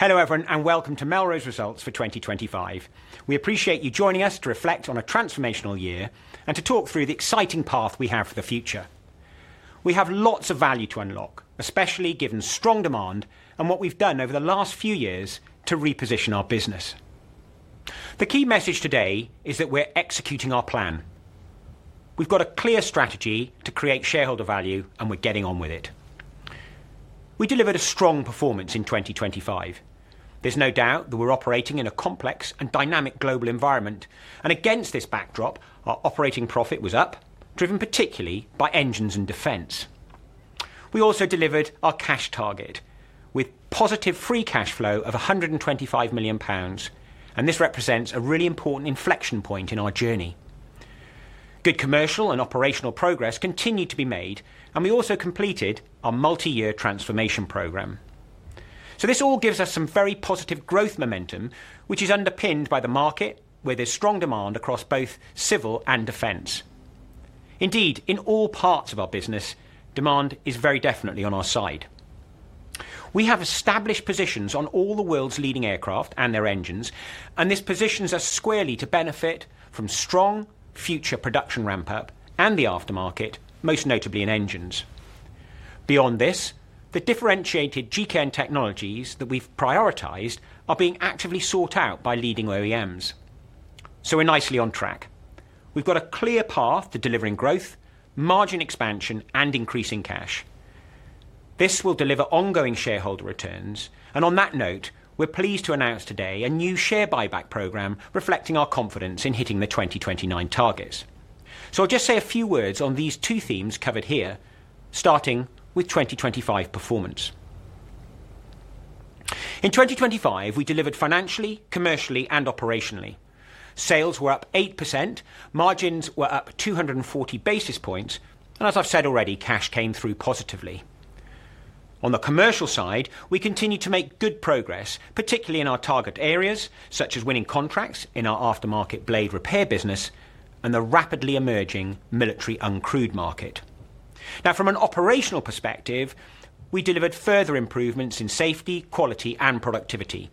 Hello, everyone, welcome to Melrose Results for 2025. We appreciate you joining us to reflect on a transformational year and to talk through the exciting path we have for the future. We have lots of value to unlock, especially given strong demand and what we've done over the last few years to reposition our business. The key message today is that we're executing our plan. We've got a clear strategy to create shareholder value, and we're getting on with it. We delivered a strong performance in 2025. There's no doubt that we're operating in a complex and dynamic global environment, and against this backdrop, our operating profit was up, driven particularly by Engines and defense. We also delivered our cash target with positive free cash flow of 125 million pounds, and this represents a really important inflection point in our journey. Good commercial and operational progress continued to be made. We also completed our multi-year transformation program. This all gives us some very positive growth momentum, which is underpinned by the market, where there's strong demand across both civil and defense. Indeed, in all parts of our business, demand is very definitely on our side. We have established positions on all the world's leading aircraft and their engines. This positions us squarely to benefit from strong future production ramp up and the aftermarket, most notably in Engines. Beyond this, the differentiated GKN technologies that we've prioritized are being actively sought out by leading OEMs. We're nicely on track. We've got a clear path to delivering growth, margin expansion, and increasing cash. This will deliver ongoing shareholder returns, and on that note, we're pleased to announce today a new share buyback program, reflecting our confidence in hitting the 2029 targets. I'll just say a few words on these two themes covered here, starting with 2025 performance. In 2025, we delivered financially, commercially, and operationally. Sales were up 8%, margins were up 240 basis points, and as I've said already, cash came through positively. On the commercial side, we continued to make good progress, particularly in our target areas, such as winning contracts in our aftermarket blade repair business and the rapidly emerging military uncrewed market. Now, from an operational perspective, we delivered further improvements in safety, quality, and productivity.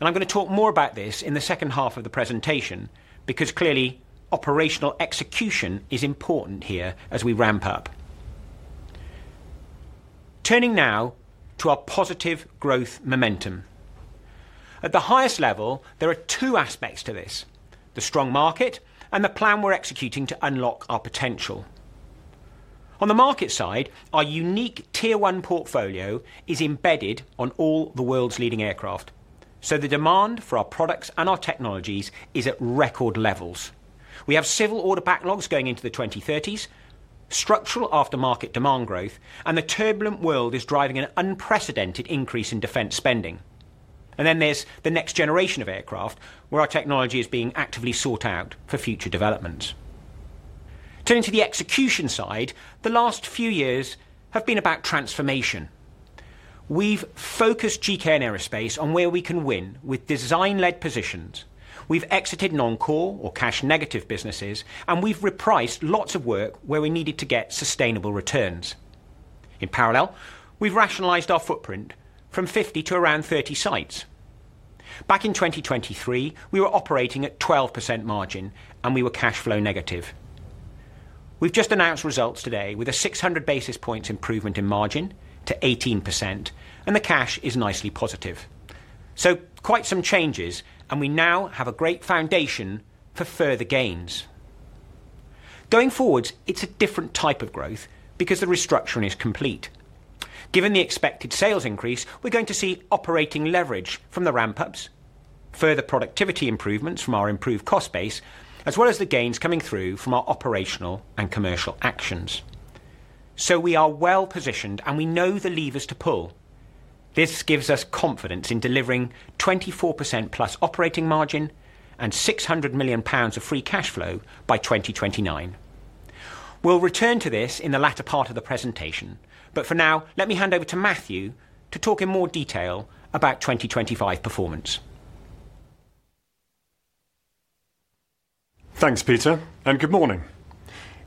I'm going to talk more about this in the second half of the presentation because, clearly, operational execution is important here as we ramp up. Turning now to our positive growth momentum. At the highest level, there are two aspects to this: the strong market and the plan we're executing to unlock our potential. On the market side, our unique Tier One portfolio is embedded on all the world's leading aircraft, so the demand for our products and our technologies is at record levels. We have civil order backlogs going into the 2030s, structural aftermarket demand growth, and the turbulent world is driving an unprecedented increase in defense spending. There's the next generation of aircraft, where our technology is being actively sought out for future developments. Turning to the execution side, the last few years have been about transformation. We've focused GKN Aerospace on where we can win with design-led positions. We've exited non-core or cash-negative businesses, and we've repriced lots of work where we needed to get sustainable returns. In parallel, we've rationalized our footprint from 50 to around 30 sites. Back in 2023, we were operating at 12% margin, and we were cash flow negative. We've just announced results today with a 600 basis points improvement in margin to 18%, and the cash is nicely positive. Quite some changes, and we now have a great foundation for further gains. Going forwards, it's a different type of growth because the restructuring is complete. Given the expected sales increase, we're going to see operating leverage from the ramp-ups, further productivity improvements from our improved cost base, as well as the gains coming through from our operational and commercial actions. We are well-positioned, and we know the levers to pull. This gives us confidence in delivering 24%+ operating margin and 600 million pounds of free cash flow by 2029. We'll return to this in the latter part of the presentation, but for now, let me hand over to Matthew to talk in more detail about 2025 performance. Thanks, Peter. Good morning.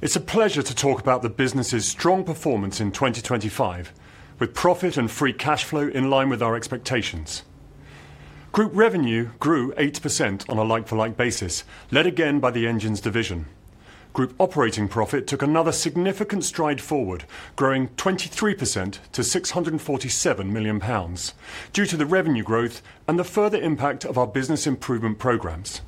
It's a pleasure to talk about the business's strong performance in 2025, with profit and free cash flow in line with our expectations. Group revenue grew 8% on a like-for-like basis, led again by the Engines division. Group operating profit took another significant stride forward, growing 23% to 647 million pounds, due to the revenue growth and the further impact of our business improvement programs.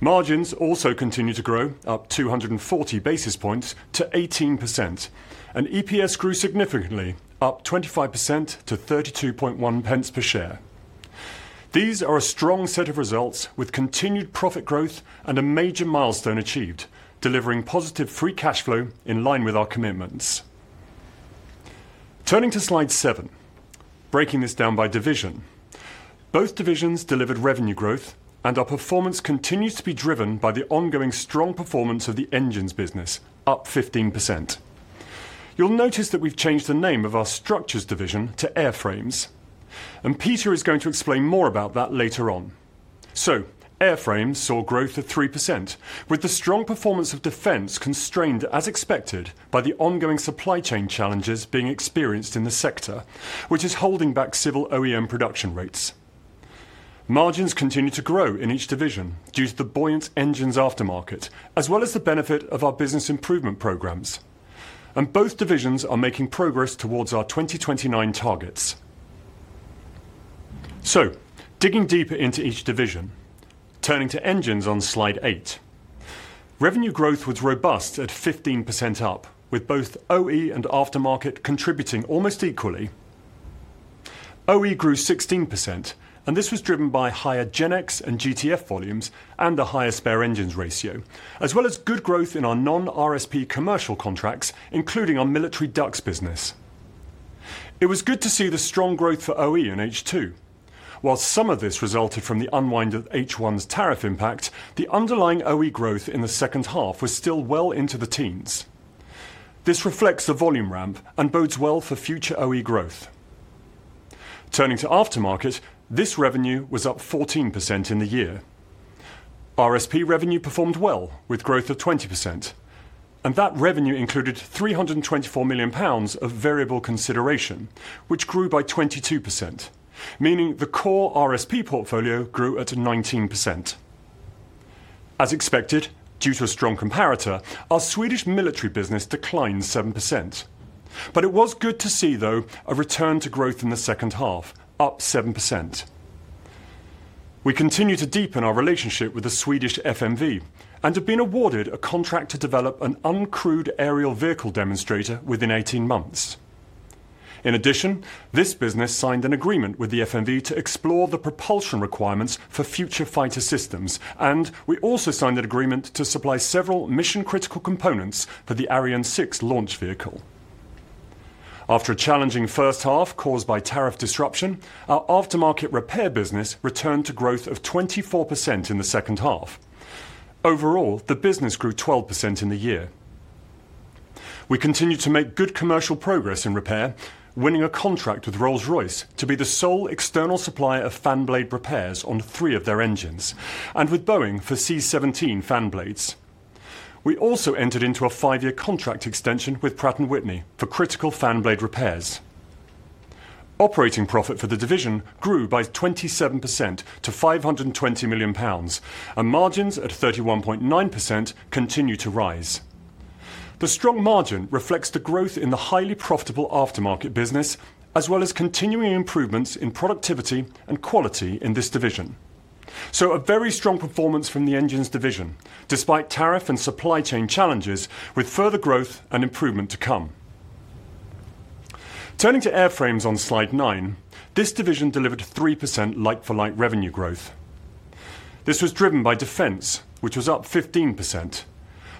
Margins also continued to grow, up 240 basis points to 18%. EPS grew significantly, up 25% to 0.321 per share. These are a strong set of results with continued profit growth and a major milestone achieved, delivering positive free cash flow in line with our commitments. Turning to slide seven, breaking this down by division. Both divisions delivered revenue growth. Our performance continues to be driven by the ongoing strong performance of the Engines business, up 15%. You'll notice that we've changed the name of our structures division to Airframes. Peter is going to explain more about that later on. Airframes saw growth of 3%, with the strong performance of defense constrained as expected by the ongoing supply chain challenges being experienced in the sector, which is holding back civil OEM production rates. Margins continue to grow in each division due to the buoyant engines aftermarket, as well as the benefit of our business improvement programs. Both divisions are making progress towards our 2029 targets. Digging deeper into each division, turning to Engines on slide eight. Revenue growth was robust at 15% up, with both OE and aftermarket contributing almost equally. OE grew 16%, and this was driven by higher GEnx and GTF volumes and a higher spare engines ratio, as well as good growth in our non-RRSP commercial contracts, including our military ducts business. It was good to see the strong growth for OE in H2. While some of this resulted from the unwind of H1's tariff impact, the underlying OE growth in the second half was still well into the teens. This reflects the volume ramp and bodes well for future OE growth. Turning to aftermarket, this revenue was up 14% in the year. RRSP revenue performed well with growth of 20%, and that revenue included 324 million pounds of variable consideration, which grew by 22%, meaning the core RRSP portfolio grew at 19%. As expected, due to a strong comparator, our Swedish military business declined 7%. It was good to see, though, a return to growth in the second half, up 7%. We continue to deepen our relationship with the Swedish FMV and have been awarded a contract to develop an uncrewed aerial vehicle demonstrator within 18 months. This business signed an agreement with the FMV to explore the propulsion requirements for future fighter systems. We also signed an agreement to supply several mission-critical components for the Ariane 6 launch vehicle. After a challenging first half caused by tariff disruption, our aftermarket repair business returned to growth of 24% in the second half. Overall, the business grew 12% in the year. We continued to make good commercial progress in repair, winning a contract with Rolls-Royce to be the sole external supplier of fan blade repairs on three of their engines, and with Boeing for C-17 fan blades. We also entered into a five-year contract extension with Pratt & Whitney for critical fan blade repairs. Operating profit for the division grew by 27% to 520 million pounds, and margins at 31.9% continue to rise. The strong margin reflects the growth in the highly profitable aftermarket business, as well as continuing improvements in productivity and quality in this division. A very strong performance from the Engines division, despite tariff and supply chain challenges, with further growth and improvement to come. Turning to Airframes on slide nine, this division delivered 3% like-for-like revenue growth. This was driven by Defense, which was up 15%,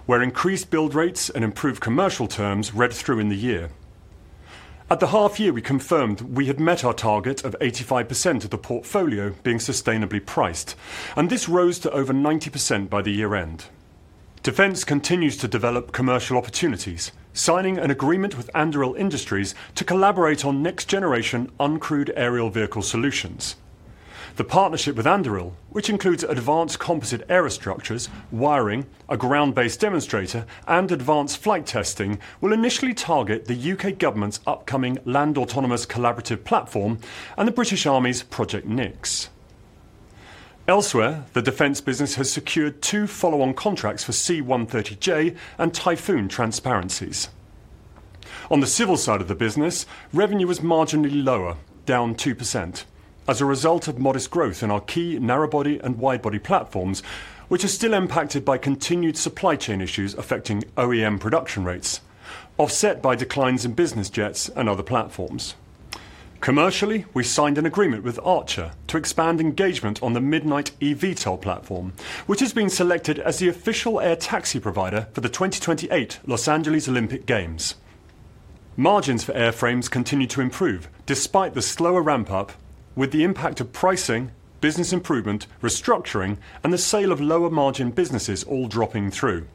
where increased build rates and improved commercial terms read through in the year. At the half year, we confirmed we had met our target of 85% of the portfolio being sustainably priced, this rose to over 90% by the year-end. Defense continues to develop commercial opportunities, signing an agreement with Anduril Industries to collaborate on next-generation uncrewed aerial vehicle solutions. The partnership with Anduril, which includes advanced composite aerostructures, wiring, a ground-based demonstrator, and advanced flight testing, will initially target the U.K. government's upcoming Land Autonomous Collaborative Platform and the British Army's Project Nyx. Elsewhere, the Defense business has secured two follow-on contracts for C-130J and Typhoon transparencies. On the civil side of the business, revenue was marginally lower, down 2%, as a result of modest growth in our key narrow-body and wide-body platforms, which are still impacted by continued supply chain issues affecting OEM production rates, offset by declines in business jets and other platforms. Commercially, we signed an agreement with Archer to expand engagement on the Midnight eVTOL platform, which has been selected as the official air taxi provider for the 2028 Los Angeles Olympic Games. Margins for Airframes continued to improve despite the slower ramp-up with the impact of pricing, business improvement, restructuring, and the sale of lower-margin businesses all dropping through.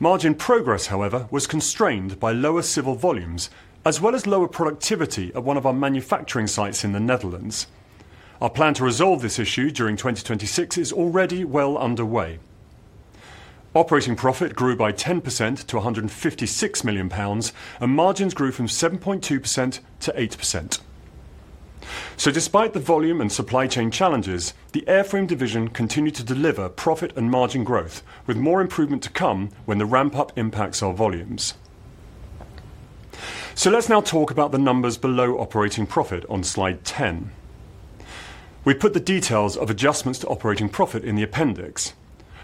Margin progress, however, was constrained by lower civil volumes, as well as lower productivity at one of our manufacturing sites in the Netherlands. Our plan to resolve this issue during 2026 is already well underway. Operating profit grew by 10% to 156 million pounds, and margins grew from 7.2%-8%. Despite the volume and supply chain challenges, the Airframes division continued to deliver profit and margin growth, with more improvement to come when the ramp-up impacts our volumes. Let's now talk about the numbers below operating profit on slide 10. We put the details of adjustments to operating profit in the appendix.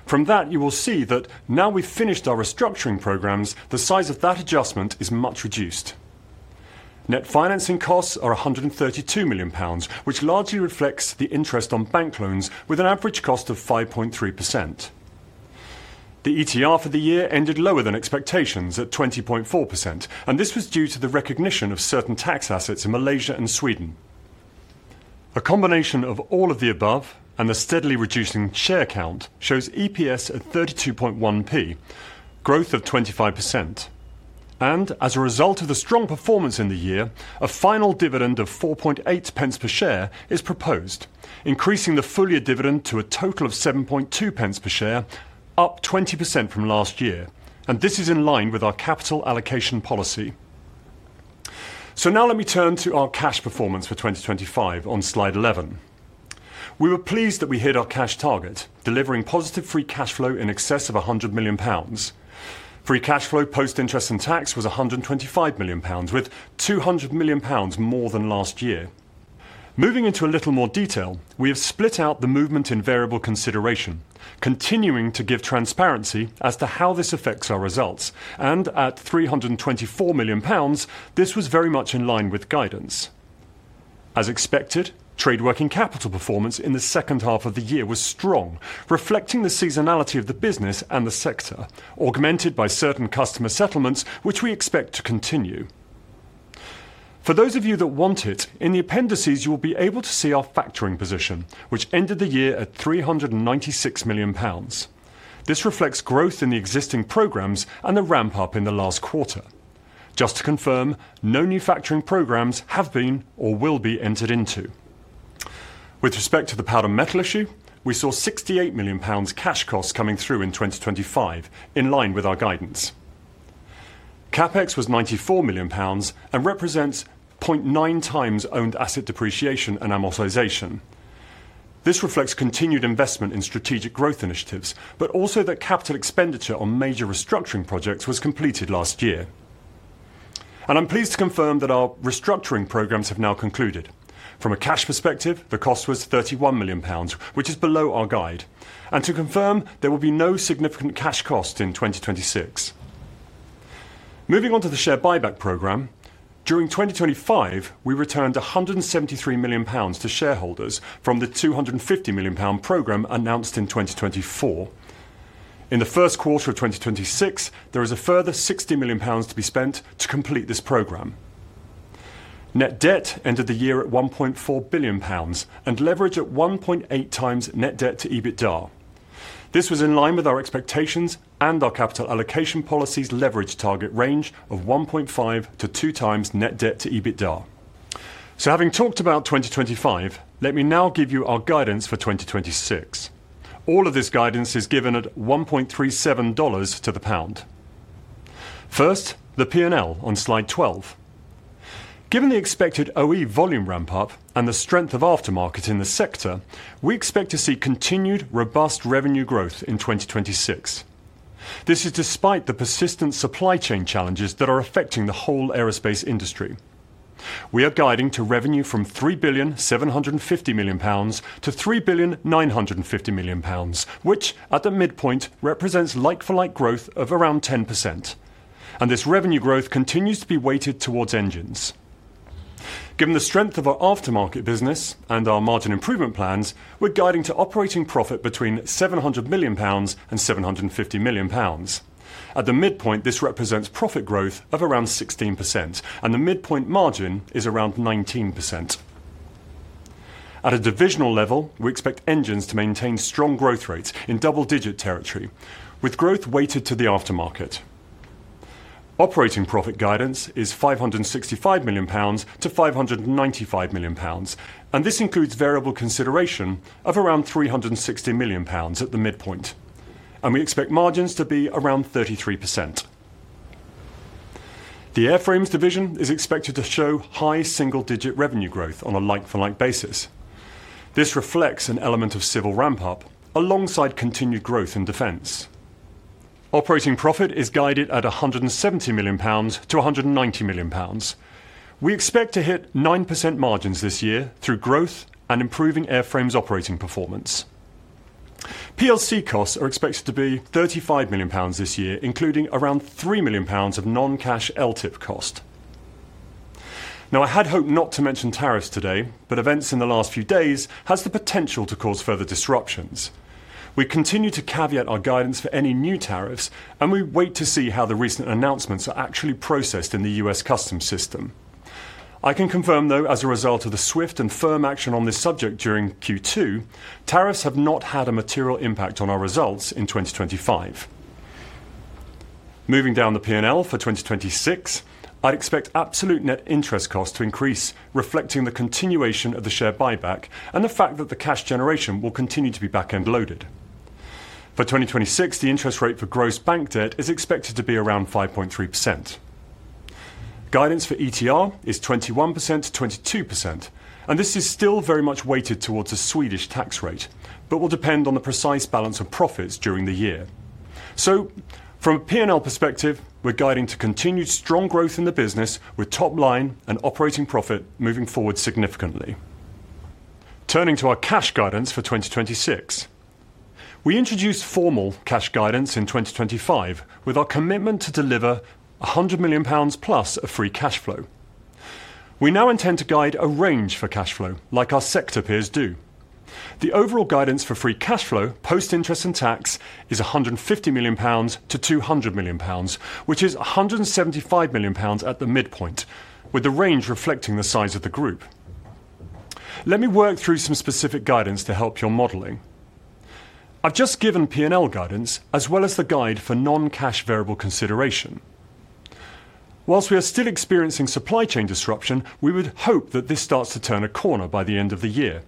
From that, you will see that now we've finished our restructuring programs, the size of that adjustment is much reduced. Net financing costs are 132 million pounds, which largely reflects the interest on bank loans with an average cost of 5.3%. The ETR for the year ended lower than expectations at 20.4%. This was due to the recognition of certain tax assets in Malaysia and Sweden. A combination of all of the above and the steadily reducing share count shows EPS at 0.321, growth of 25%. As a result of the strong performance in the year, a final dividend of 0.48 per share is proposed, increasing the full-year dividend to a total of 0.72 per share, up 20% from last year. This is in line with our capital allocation policy. Now let me turn to our cash performance for 2025 on slide 11. We were pleased that we hit our cash target, delivering positive free cash flow in excess of 100 million pounds. Free cash flow, post-interest and tax, was 125 million pounds, with 200 million pounds more than last year. Moving into a little more detail, we have split out the movement in variable consideration, continuing to give transparency as to how this affects our results. At 324 million pounds, this was very much in line with guidance. As expected, trade working capital performance in the second half of the year was strong, reflecting the seasonality of the business and the sector, augmented by certain customer settlements, which we expect to continue. For those of you that want it, in the appendices, you will be able to see our factoring position, which ended the year at 396 million pounds. This reflects growth in the existing programs and the ramp-up in the last quarter. Just to confirm, no new factoring programs have been or will be entered into. With respect to the powder metal issue, we saw 68 million pounds cash costs coming through in 2025, in line with our guidance. CapEx was 94 million pounds and represents 0.9x owned asset depreciation and amortization. This reflects continued investment in strategic growth initiatives, but also that capital expenditure on major restructuring projects was completed last year. I'm pleased to confirm that our restructuring programs have now concluded. From a cash perspective, the cost was 31 million pounds, which is below our guide, and to confirm, there will be no significant cash cost in 2026. Moving on to the share buyback program. During 2025, we returned 173 million pounds to shareholders from the 250 million pound program announced in 2024. In the first quarter of 2026, there is a further 60 million pounds to be spent to complete this program. Net debt ended the year at 1.4 billion pounds, and leverage at 1.8x net debt to EBITDA. This was in line with our expectations and our capital allocation policy's leverage target range of 1.5x-2x net debt to EBITDA. Having talked about 2025, let me now give you our guidance for 2026. All of this guidance is given at $1.37 to the pound. First, the P&L on slide 12. Given the expected OE volume ramp-up and the strength of aftermarket in the sector, we expect to see continued robust revenue growth in 2026. This is despite the persistent supply chain challenges that are affecting the whole aerospace industry. We are guiding to revenue from 3.75 billion-3.95 billion pounds, which at the midpoint represents like-for-like growth of around 10%. This revenue growth continues to be weighted towards engines. Given the strength of our aftermarket business and our margin improvement plans, we're guiding to operating profit between 700 million pounds and 750 million pounds. At the midpoint, this represents profit growth of around 16%, and the midpoint margin is around 19%. At a divisional level, we expect engines to maintain strong growth rates in double-digit territory, with growth weighted to the aftermarket. Operating profit guidance is 565 million-595 million pounds. This includes variable consideration of around 360 million pounds at the midpoint. We expect margins to be around 33%. The Airframes division is expected to show high single-digit revenue growth on a like-for-like basis. This reflects an element of civil ramp-up alongside continued growth in defense. Operating profit is guided at 170 million-190 million pounds. We expect to hit 9% margins this year through growth and improving Airframes' operating performance. PLC costs are expected to be 35 million pounds this year, including around 3 million pounds of non-cash LTIP cost. I had hoped not to mention tariffs today. Events in the last few days has the potential to cause further disruptions. We continue to caveat our guidance for any new tariffs, and we wait to see how the recent announcements are actually processed in the U.S. customs system. I can confirm, though, as a result of the swift and firm action on this subject during Q2, tariffs have not had a material impact on our results in 2025. Moving down the P&L for 2026, I expect absolute net interest costs to increase, reflecting the continuation of the share buyback and the fact that the cash generation will continue to be back-end loaded. For 2026, the interest rate for gross bank debt is expected to be around 5.3%. Guidance for ETR is 21%-22%, and this is still very much weighted towards a Swedish tax rate, but will depend on the precise balance of profits during the year. From a P&L perspective, we're guiding to continued strong growth in the business with top line and operating profit moving forward significantly. Turning to our cash guidance for 2026. We introduced formal cash guidance in 2025, with our commitment to deliver 100 million pounds+ of free cash flow. We now intend to guide a range for cash flow, like our sector peers do. The overall guidance for free cash flow, post-interest and tax, is 150 million-200 million pounds, which is 175 million pounds at the midpoint, with the range reflecting the size of the group. Let me work through some specific guidance to help your modeling. I've just given P&L guidance, as well as the guide for non-cash variable consideration. Whilst we are still experiencing supply chain disruption, we would hope that this starts to turn a corner by the end of the year.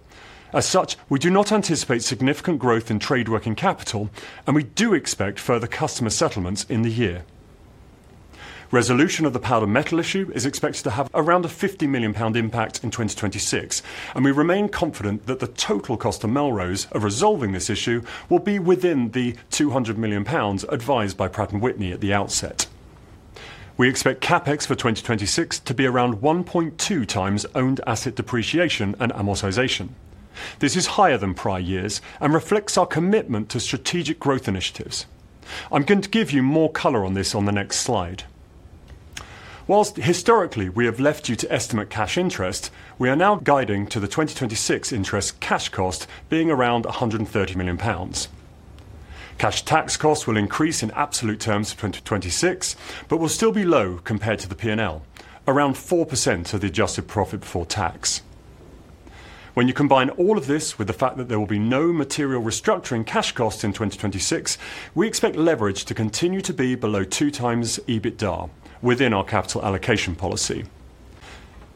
As such, we do not anticipate significant growth in trade working capital, and we do expect further customer settlements in the year. Resolution of the powder metal issue is expected to have around a 50 million pound impact in 2026, and we remain confident that the total cost to Melrose of resolving this issue will be within the 200 million pounds advised by Pratt & Whitney at the outset. We expect CapEx for 2026 to be around 1.2x owned asset depreciation and amortization. This is higher than prior years and reflects our commitment to strategic growth initiatives. I'm going to give you more color on this on the next slide. Whilst historically, we have left you to estimate cash interest, we are now guiding to the 2026 interest cash cost being around 130 million pounds. Cash tax costs will increase in absolute terms in 2026, but will still be low compared to the P&L, around 4% of the adjusted profit before tax. When you combine all of this with the fact that there will be no material restructuring cash costs in 2026, we expect leverage to continue to be below 2x EBITDA within our capital allocation policy.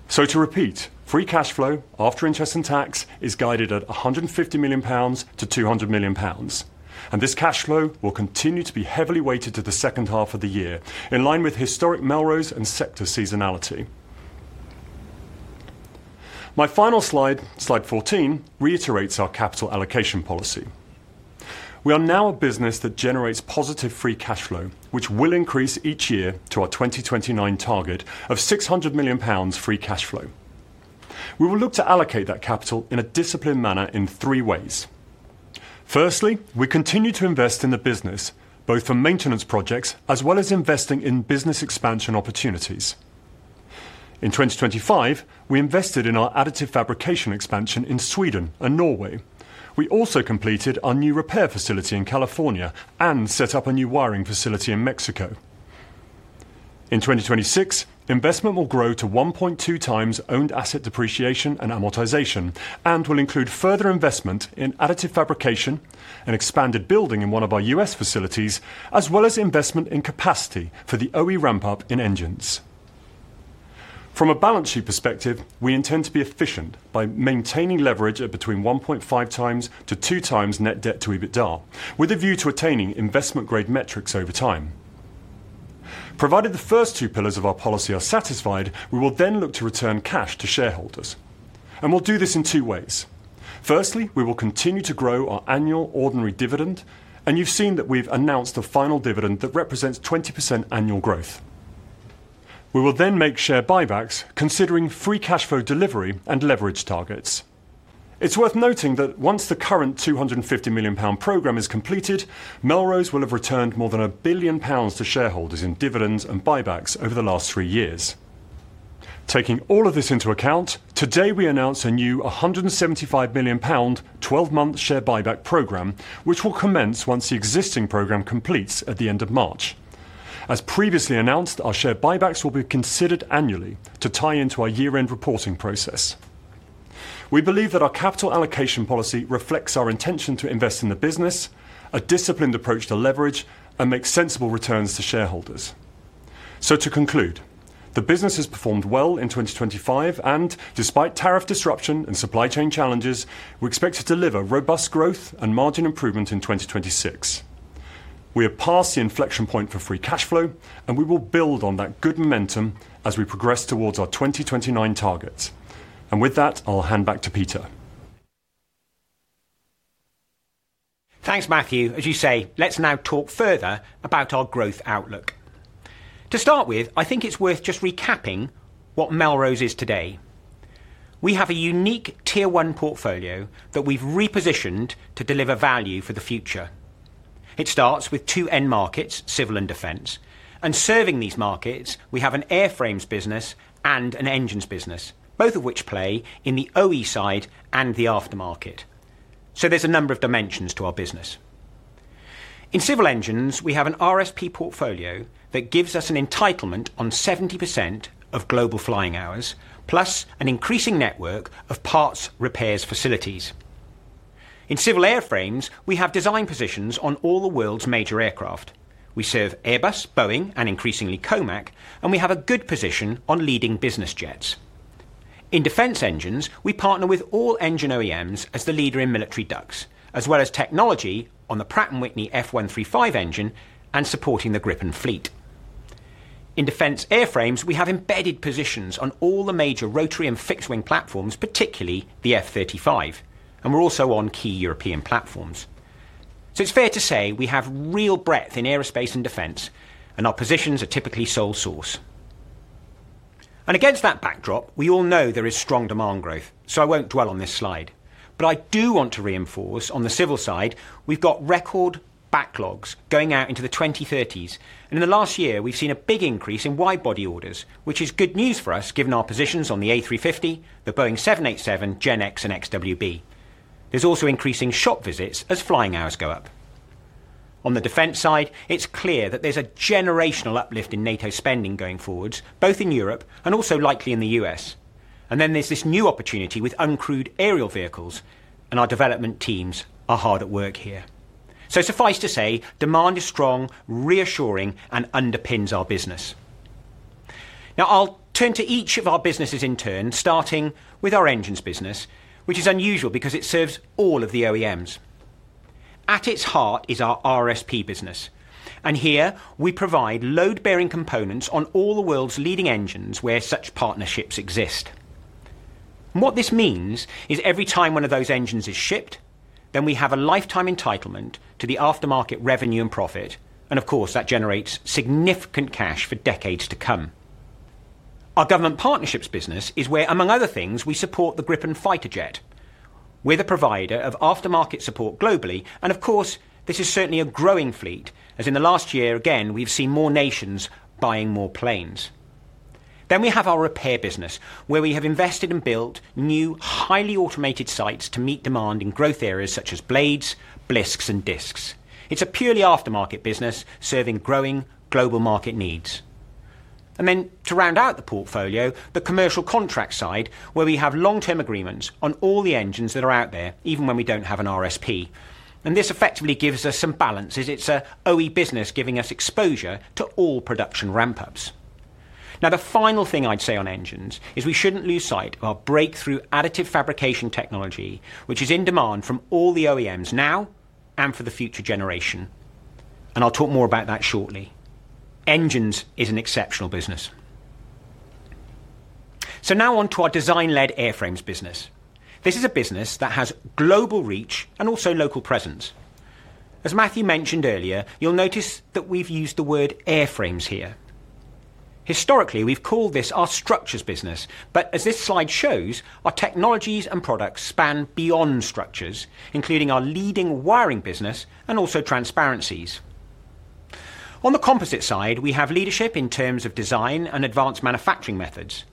To repeat, free cash flow after interest and tax is guided at 150 million-200 million pounds, and this cash flow will continue to be heavily weighted to the second half of the year, in line with historic Melrose and sector seasonality. My final slide 14, reiterates our capital allocation policy. We are now a business that generates positive free cash flow, which will increase each year to our 2029 target of 600 million pounds free cash flow. We will look to allocate that capital in a disciplined manner in three ways. Firstly, we continue to invest in the business, both for maintenance projects as well as investing in business expansion opportunities. In 2025, we invested in our additive fabrication expansion in Sweden and Norway. We also completed our new repair facility in California and set up a new wiring facility in Mexico. In 2026, investment will grow to 1.2x owned asset depreciation and amortization and will include further investment in additive fabrication and expanded building in one of our U.S. facilities, as well as investment in capacity for the OE ramp up in Engines. From a balance sheet perspective, we intend to be efficient by maintaining leverage at between 1.5x-2x net debt to EBITDA, with a view to attaining investment-grade metrics over time. Provided the first two pillars of our policy are satisfied, we will then look to return cash to shareholders, we'll do this in two ways. Firstly, we will continue to grow our annual ordinary dividend, you've seen that we've announced a final dividend that represents 20% annual growth. We will then make share buybacks, considering free cash flow delivery and leverage targets. It's worth noting that once the current 250 million pound program is completed, Melrose will have returned more than 1 billion pounds to shareholders in dividends and buybacks over the last three years. Taking all of this into account, today, we announce a new 175 million pound, 12-month share buyback program, which will commence once the existing program completes at the end of March. As previously announced, our share buybacks will be considered annually to tie into our year-end reporting process. We believe that our capital allocation policy reflects our intention to invest in the business, a disciplined approach to leverage, and make sensible returns to shareholders. To conclude, the business has performed well in 2025, and despite tariff disruption and supply chain challenges, we expect to deliver robust growth and margin improvement in 2026. We have passed the inflection point for free cash flow. We will build on that good momentum as we progress towards our 2029 targets. With that, I'll hand back to Peter. Thanks, Matthew. As you say, let's now talk further about our growth outlook. To start with, I think it's worth just recapping what Melrose is today. We have a unique Tier One portfolio that we've repositioned to deliver value for the future. It starts with two end markets, civil and defense, and serving these markets, we have an Airframes business and an Engines business, both of which play in the OE side and the aftermarket. There's a number of dimensions to our business. In civil engine, we have an RRSP portfolio that gives us an entitlement on 70% of global flying hours, plus an increasing network of parts repairs facilities. In civil Airframes, we have design positions on all the world's major aircraft. We serve Airbus, Boeing, and increasingly COMAC, and we have a good position on leading business jets. In defense engines, we partner with all engine OEMs as the leader in military ducts, as well as technology on the Pratt & Whitney F135 engine and supporting the Gripen fleet. In defense Airframes, we have embedded positions on all the major rotary and fixed-wing platforms, particularly the F-35, and we're also on key European platforms. It's fair to say we have real breadth in aerospace and defense, and our positions are typically sole source. Against that backdrop, we all know there is strong demand growth, so I won't dwell on this slide. I do want to reinforce on the civil side, we've got record backlogs going out into the 2030s. In the last year, we've seen a big increase in wide-body orders, which is good news for us, given our positions on the A350, the Boeing 787, GEnx, and XWB. There's also increasing shop visits as flying hours go up. On the defense side, it's clear that there's a generational uplift in NATO spending going forwards, both in Europe and also likely in the U.S. There's this new opportunity with uncrewed aerial vehicles, and our development teams are hard at work here. Suffice to say, demand is strong, reassuring, and underpins our business. I'll turn to each of our businesses in turn, starting with our Engines business, which is unusual because it serves all of the OEMs. At its heart is our RRSP business, and here we provide load-bearing components on all the world's leading engines where such partnerships exist. What this means is every time one of those engines is shipped, then we have a lifetime entitlement to the aftermarket revenue and profit, and of course, that generates significant cash for decades to come. Our government partnerships business is where, among other things, we support the Gripen fighter jet. We're the provider of aftermarket support globally, of course, this is certainly a growing fleet, as in the last year, again, we've seen more nations buying more planes. We have our repair business, where we have invested and built new, highly automated sites to meet demand in growth areas such as blades, blisks, and disks. It's a purely aftermarket business serving growing global market needs. To round out the portfolio, the commercial contract side, where we have long-term agreements on all the engines that are out there, even when we don't have an RRSP. This effectively gives us some balance, as it's a OE business, giving us exposure to all production ramp-ups. The final thing I'd say on Engines is we shouldn't lose sight of our breakthrough additive fabrication technology, which is in demand from all the OEMs now and for the future generation. I'll talk more about that shortly. Engines is an exceptional business. Now on to our design-led Airframes business. This is a business that has global reach and also local presence. As Matthew mentioned earlier, you'll notice that we've used the word Airframes here. Historically, we've called this our structures business, but as this slide shows, our technologies and products span beyond structures, including our leading wiring business and also transparencies. On the composite side, we have leadership in terms of design and advanced manufacturing methods.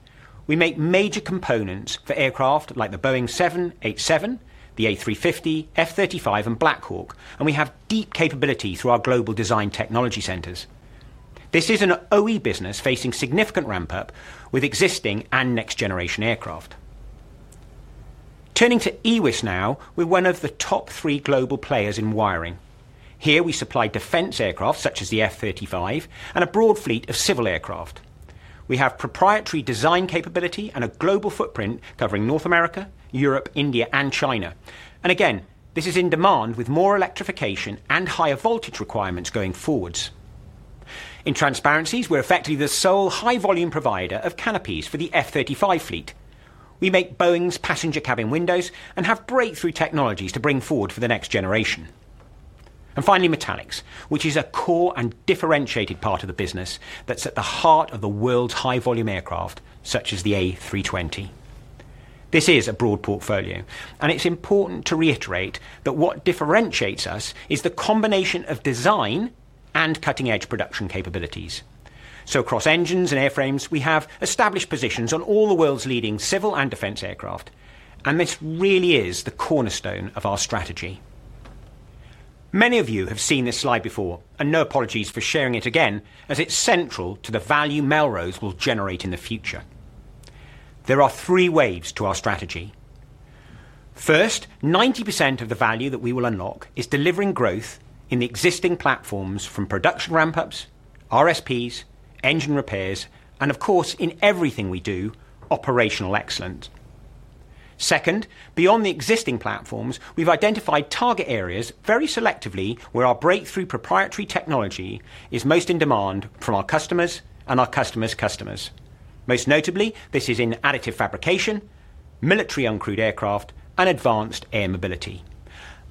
We make major components for aircraft like the Boeing 787, the A350, F-35, and Black Hawk, and we have deep capability through our global design technology centers. This is an OE business facing significant ramp-up with existing and next-generation aircraft. Turning to EWIS now, we're one of the top three global players in wiring. Here we supply defense aircraft such as the F-35 and a broad fleet of civil aircraft. We have proprietary design capability and a global footprint covering North America, Europe, India, and China. Again, this is in demand with more electrification and higher voltage requirements going forwards. In transparencies, we're effectively the sole high-volume provider of canopies for the F-35 fleet. We make Boeing's passenger cabin windows and have breakthrough technologies to bring forward for the next generation. Finally, metallics, which is a core and differentiated part of the business that's at the heart of the world's high-volume aircraft, such as the A320. This is a broad portfolio, it's important to reiterate that what differentiates us is the combination of design and cutting-edge production capabilities. Across Engines and Airframes, we have established positions on all the world's leading civil and defense aircraft, and this really is the cornerstone of our strategy. Many of you have seen this slide before, and no apologies for sharing it again, as it's central to the value Melrose will generate in the future. There are three waves to our strategy. First, 90% of the value that we will unlock is delivering growth in the existing platforms from production ramp-ups, RRSPs, engine repairs, and of course, in everything we do, operational excellence. Second, beyond the existing platforms, we've identified target areas very selectively, where our breakthrough proprietary technology is most in demand from our customers and our customers' customers. Most notably, this is in additive fabrication, military uncrewed aircraft, and advanced air mobility.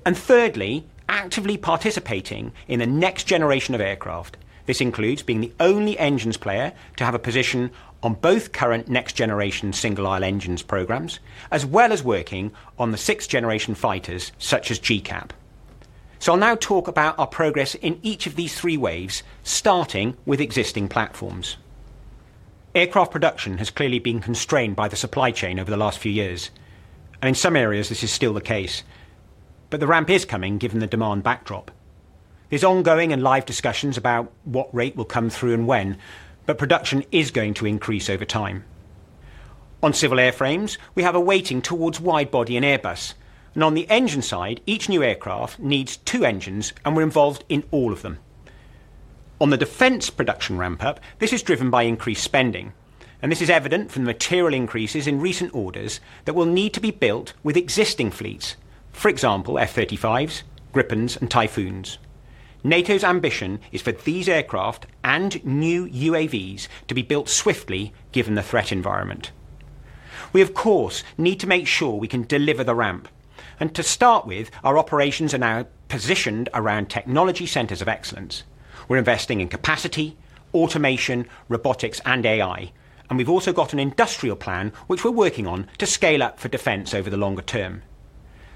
Thirdly, actively participating in the next generation of aircraft. This includes being the only Engines player to have a position on both current next-generation single-aisle Engines programs, as well as working on the sixth-generation fighters such as GCAP. I'll now talk about our progress in each of these three waves, starting with existing platforms. Aircraft production has clearly been constrained by the supply chain over the last few years, and in some areas, this is still the case. The ramp is coming, given the demand backdrop. There's ongoing and live discussions about what rate will come through and when, but production is going to increase over time. On civil Airframes, we have a weighting towards wide body and Airbus, and on the Engine side, each new aircraft needs two engines, and we're involved in all of them. On the defense production ramp-up, this is driven by increased spending, and this is evident from the material increases in recent orders that will need to be built with existing fleets, for example, F-35s, Gripens, and Typhoons. NATO's ambition is for these aircraft and new UAVs to be built swiftly, given the threat environment. We, of course, need to make sure we can deliver the ramp, and to start with, our operations are now positioned around technology centers of excellence. We're investing in capacity, automation, robotics, and AI, and we've also got an industrial plan, which we're working on to scale up for defense over the longer term.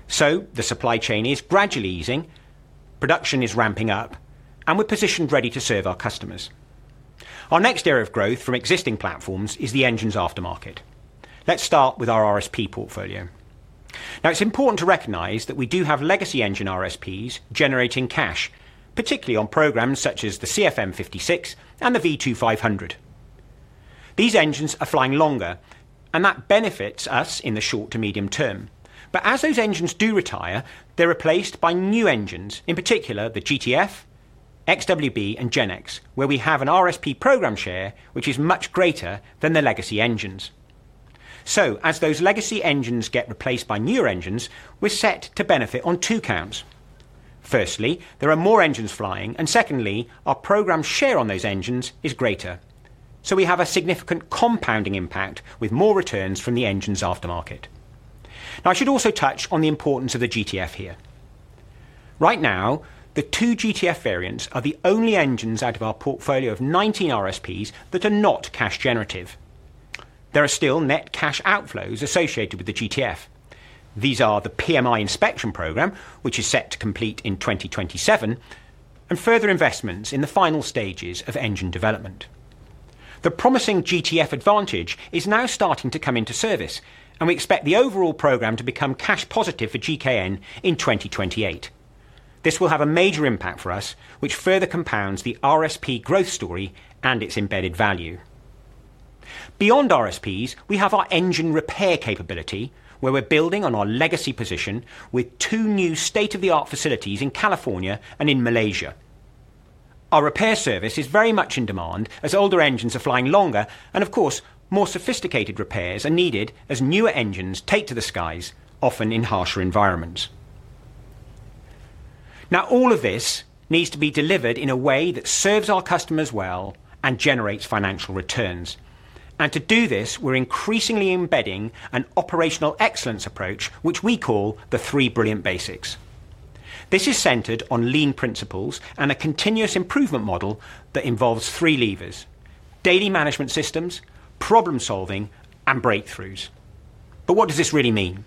The supply chain is gradually easing, production is ramping up, and we're positioned ready to serve our customers. Our next area of growth from existing platforms is the engines aftermarket. Let's start with our RRSP portfolio. It's important to recognize that we do have legacy engine RRSPs generating cash, particularly on programs such as the CFM56 and the V2500. These engines are flying longer, and that benefits us in the short to medium term. As those engines do retire, they're replaced by new engines, in particular the GTF, XWB, and GEnx, where we have an RRSP program share, which is much greater than the legacy engines. As those legacy engines get replaced by newer engines, we're set to benefit on two counts. Firstly, there are more engines flying, and secondly, our program share on those engines is greater. We have a significant compounding impact with more returns from the engines aftermarket. I should also touch on the importance of the GTF here. Right now, the two GTF variants are the only engines out of our portfolio of 19 RRSPs that are not cash generative. There are still net cash outflows associated with the GTF. These are the PMI inspection program, which is set to complete in 2027, and further investments in the final stages of engine development. The promising GTF Advantage is now starting to come into service, and we expect the overall program to become cash positive for GKN in 2028. This will have a major impact for us, which further compounds the RRSP growth story and its embedded value. Beyond RRSPs, we have our engine repair capability, where we're building on our legacy position with two new state-of-the-art facilities in California and in Malaysia. Our repair service is very much in demand as older engines are flying longer, and of course, more sophisticated repairs are needed as newer engines take to the skies, often in harsher environments. Now, all of this needs to be delivered in a way that serves our customers well and generates financial returns. To do this, we're increasingly embedding an operational excellence approach, which we call the Three Brilliant Basics. This is centered on lean principles and a continuous improvement model that involves three levers: daily management systems, problem-solving, and breakthroughs. What does this really mean?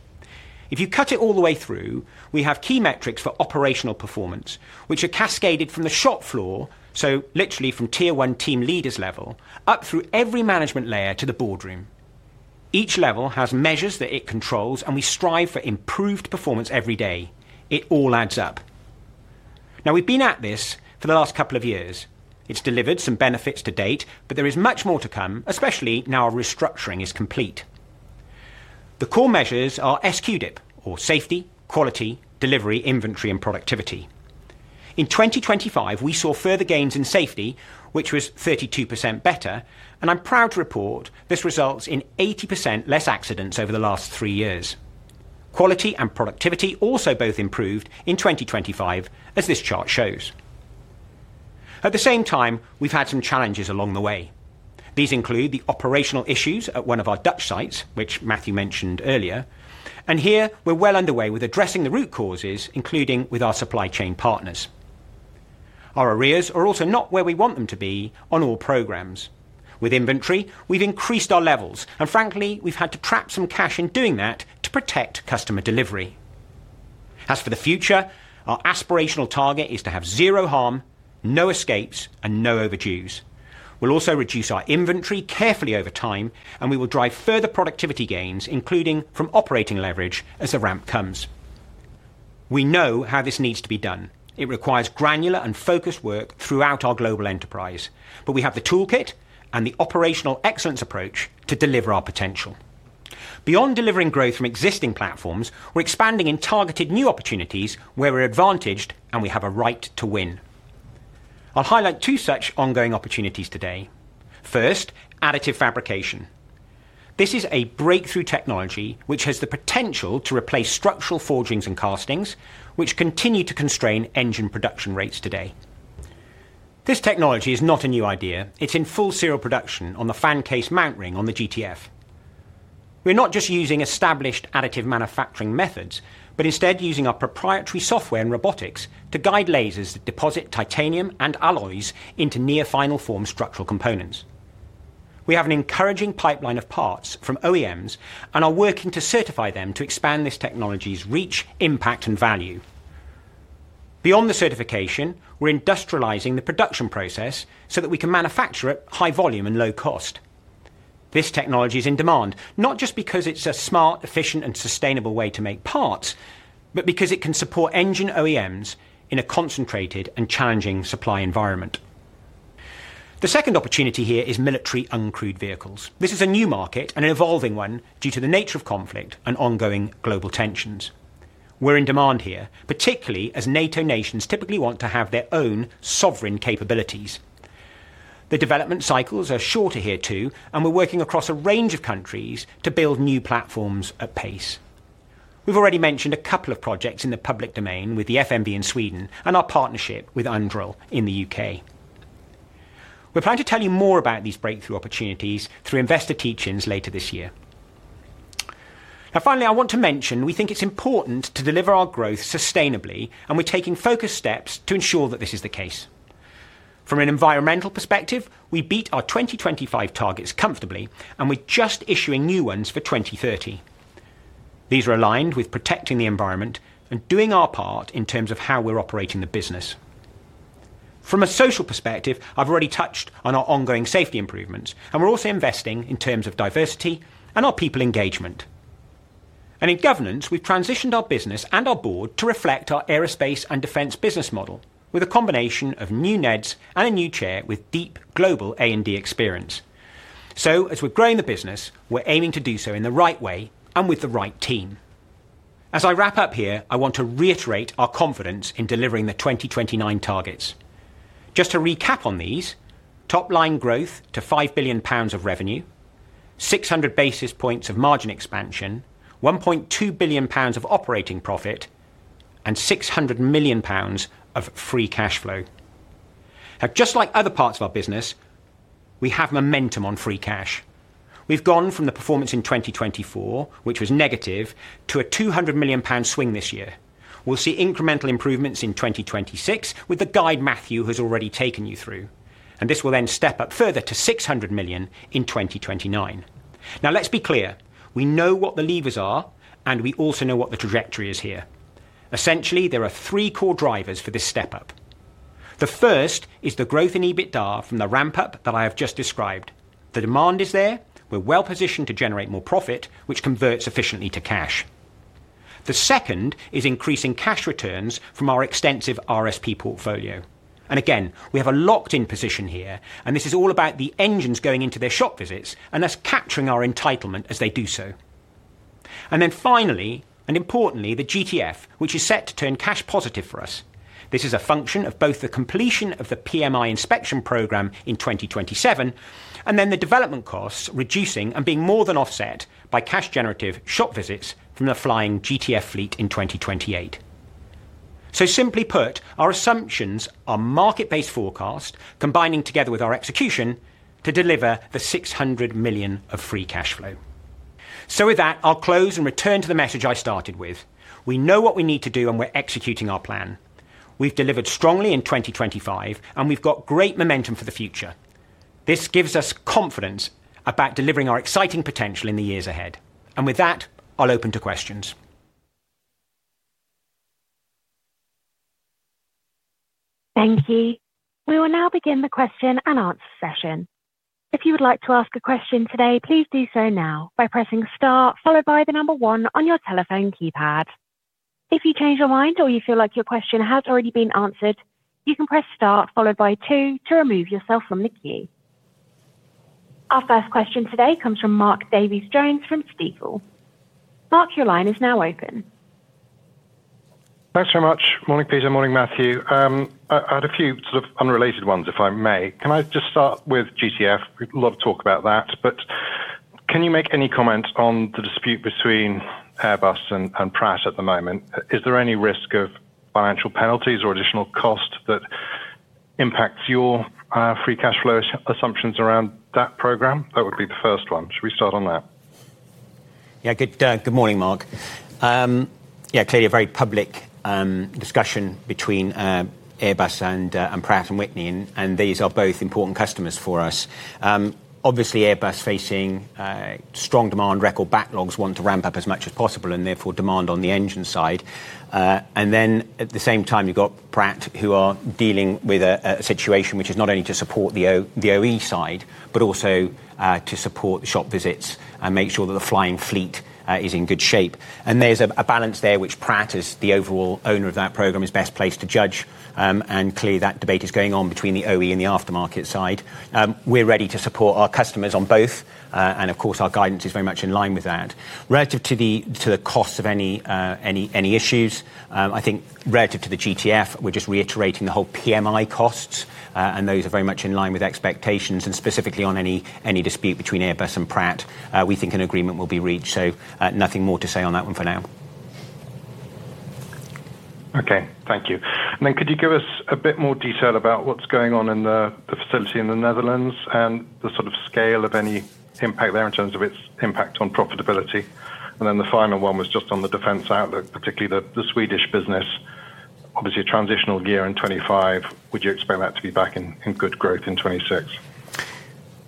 If you cut it all the way through, we have key metrics for operational performance, which are cascaded from the shop floor, so literally from Tier One team leaders level, up through every management layer to the boardroom. Each level has measures that it controls, and we strive for improved performance every day. It all adds up. We've been at this for the last couple of years. It's delivered some benefits to date, but there is much more to come, especially now our restructuring is complete. The core measures are SQDIP or safety, quality, delivery, inventory, and productivity. In 2025, we saw further gains in safety, which was 32% better. I'm proud to report this results in 80% less accidents over the last three years. Quality and productivity also both improved in 2025, as this chart shows. At the same time, we've had some challenges along the way. These include the operational issues at one of our Dutch sites, which Matthew mentioned earlier, and here we're well underway with addressing the root causes, including with our supply chain partners. Our arrears are also not where we want them to be on all programs. With inventory, we've increased our levels, and frankly, we've had to trap some cash in doing that to protect customer delivery. As for the future, our aspirational target is to have zero harm, no escapes, and no overdues. We'll also reduce our inventory carefully over time, and we will drive further productivity gains, including from operating leverage as the ramp comes. We know how this needs to be done. It requires granular and focused work throughout our global enterprise, but we have the toolkit and the operational excellence approach to deliver our potential. Beyond delivering growth from existing platforms, we're expanding in targeted new opportunities where we're advantaged and we have a right to win. I'll highlight two such ongoing opportunities today. First, additive fabrication. This is a breakthrough technology, which has the potential to replace structural forgings and castings, which continue to constrain engine production rates today. This technology is not a new idea. It's in full serial production on the Fan Case Mount Ring on the GTF. We're not just using established additive manufacturing methods, but instead using our proprietary software and robotics to guide lasers that deposit titanium and alloys into near final form structural components. We have an encouraging pipeline of parts from OEMs and are working to certify them to expand this technology's reach, impact, and value. Beyond the certification, we're industrializing the production process so that we can manufacture at high volume and low cost. This technology is in demand, not just because it's a smart, efficient, and sustainable way to make parts, but because it can support engine OEMs in a concentrated and challenging supply environment. The second opportunity here is military uncrewed vehicles. This is a new market and an evolving one due to the nature of conflict and ongoing global tensions. We're in demand here, particularly as NATO nations typically want to have their own sovereign capabilities. The development cycles are shorter here, too, and we're working across a range of countries to build new platforms at pace. We've already mentioned a couple of projects in the public domain with the FMV in Sweden and our partnership with Anduril in the U.K. We plan to tell you more about these breakthrough opportunities through investor teach-ins later this year. Finally, I want to mention, we think it's important to deliver our growth sustainably, and we're taking focused steps to ensure that this is the case. From an environmental perspective, we beat our 2025 targets comfortably, and we're just issuing new ones for 2030. These are aligned with protecting the environment and doing our part in terms of how we're operating the business. From a social perspective, I've already touched on our ongoing safety improvements, and we're also investing in terms of diversity and our people engagement. In governance, we've transitioned our business and our board to reflect our aerospace and defense business model, with a combination of new NEDs and a new chair with deep global A&D experience. As we're growing the business, we're aiming to do so in the right way and with the right team. As I wrap up here, I want to reiterate our confidence in delivering the 2029 targets. Just to recap on these, top-line growth to 5 billion pounds of revenue, 600 basis points of margin expansion, 1.2 billion pounds of operating profit, and 600 million pounds of free cash flow. Just like other parts of our business, we have momentum on free cash. We've gone from the performance in 2024, which was negative, to a 200 million pound swing this year. We'll see incremental improvements in 2026, with the guide Matthew has already taken you through, this will then step up further to 600 million in 2029. Let's be clear: We know what the levers are, we also know what the trajectory is here. Essentially, there are 3 core drivers for this step-up. The first is the growth in EBITDA from the ramp-up that I have just described. The demand is there. We're well positioned to generate more profit, which converts efficiently to cash. The second is increasing cash returns from our extensive RRSP portfolio. Again, we have a locked-in position here, and this is all about the engines going into their shop visits and thus capturing our entitlement as they do so. Finally, and importantly, the GTF, which is set to turn cash positive for us. This is a function of both the completion of the PMI inspection program in 2027, and then the development costs reducing and being more than offset by cash-generative shop visits from the flying GTF fleet in 2028. Simply put, our assumptions are market-based forecast, combining together with our execution to deliver 600 million of free cash flow. With that, I'll close and return to the message I started with. We know what we need to do, and we're executing our plan. We've delivered strongly in 2025, and we've got great momentum for the future. This gives us confidence about delivering our exciting potential in the years ahead. With that, I'll open to questions. Thank you. We will now begin the question-and-answer session. If you would like to ask a question today, please do so now by pressing star, followed by one on your telephone keypad. If you change your mind or you feel like your question has already been answered, you can press star, followed by two, to remove yourself from the queue. Our first question today comes from Mark Davies Jones from Stifel. Mark, your line is now open. Thanks very much. Morning, Peter. Morning, Matthew. I had a few sort of unrelated ones, if I may. Can I just start with GTF? We'd love to talk about that, but can you make any comment on the dispute between Airbus and Pratt at the moment? Is there any risk of financial penalties or additional cost that impacts your free cash flow assumptions around that program? That would be the first one. Should we start on that? Good morning, Mark. Clearly a very public discussion between Airbus and Pratt & Whitney, and these are both important customers for us. Obviously, Airbus facing strong demand, record backlogs, want to ramp up as much as possible, and therefore demand on the engine side. At the same time, you've got Pratt, who are dealing with a situation which is not only to support the OE side, but also to support the shop visits and make sure that the flying fleet is in good shape. There's a balance there, which Pratt, as the overall owner of that program, is best placed to judge. Clearly, that debate is going on between the OE and the aftermarket side. We're ready to support our customers on both, and of course, our guidance is very much in line with that. Relative to the cost of any issues, I think relative to the GTF, we're just reiterating the whole PMI costs, and those are very much in line with expectations, and specifically on any dispute between Airbus and Pratt. We think an agreement will be reached, so nothing more to say on that one for now. Okay. Thank you. Could you give us a bit more detail about what's going on in the facility in the Netherlands and the sort of scale of any impact there in terms of its impact on profitability? The final one was just on the defense outlook, particularly the Swedish business. Obviously, a transitional year in 2025. Would you expect that to be back in good growth in 2026?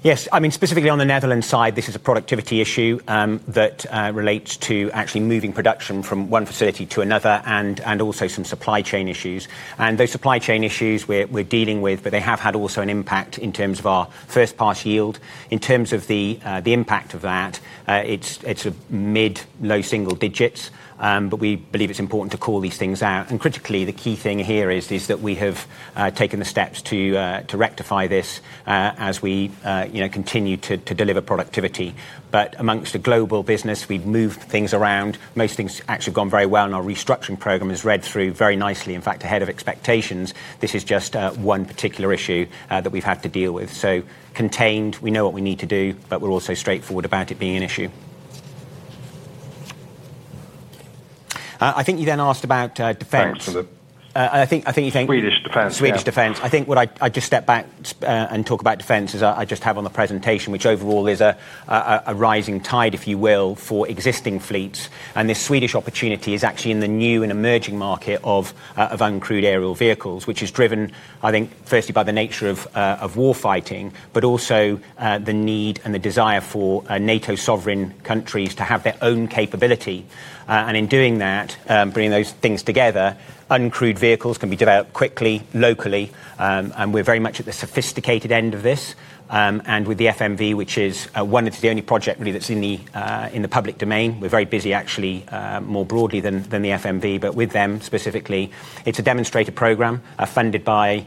Yes. I mean, specifically on the Netherlands side, this is a productivity issue that relates to actually moving production from one facility to another and also some supply chain issues. Those supply chain issues we're dealing with, but they have had also an impact in terms of our first-pass yield. In terms of the impact of that, it's a mid-low single digits, but we believe it's important to call these things out. Critically, the key thing here is that we have taken the steps to rectify this as we, you know, continue to deliver productivity. Amongst the global business, we've moved things around. Most things actually gone very well, and our restructuring program has read through very nicely, in fact, ahead of expectations. This is just, one particular issue, that we've had to deal with. Contained, we know what we need to do, but we're also straightforward about it being an issue. I think you then asked about. Thanks for that. I think. Swedish defense. Swedish defense. I think what I'd just step back and talk about defense, as I just have on the presentation, which overall is a rising tide, if you will, for existing fleets. The Swedish opportunity is actually in the new and emerging market of uncrewed aerial vehicles, which is driven, I think, firstly by the nature of war fighting, but also the need and the desire for NATO sovereign countries to have their own capability. In doing that, bringing those things together, uncrewed vehicles can be developed quickly, locally. We're very much at the sophisticated end of this. With the FMV, which is one it's the only project really that's in the public domain. We're very busy actually, more broadly than the FMV, but with them specifically, it's a demonstrator program, funded by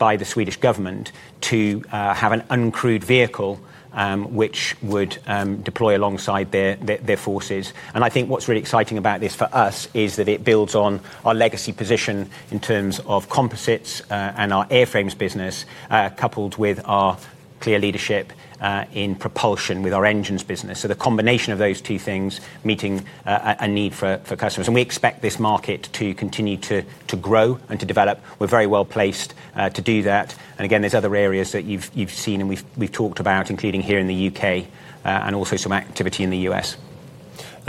the Swedish government to have an uncrewed vehicle, which would deploy alongside their forces. I think what's really exciting about this for us, is that it builds on our legacy position in terms of composites, and our Airframes business, coupled with our clear leadership, in propulsion with our Engines business. The combination of those two things, meeting a need for customers. We expect this market to continue to grow and to develop. We're very well placed to do that. Again, there's other areas that you've seen, and we've talked about, including here in the U.K., and also some activity in the U.S.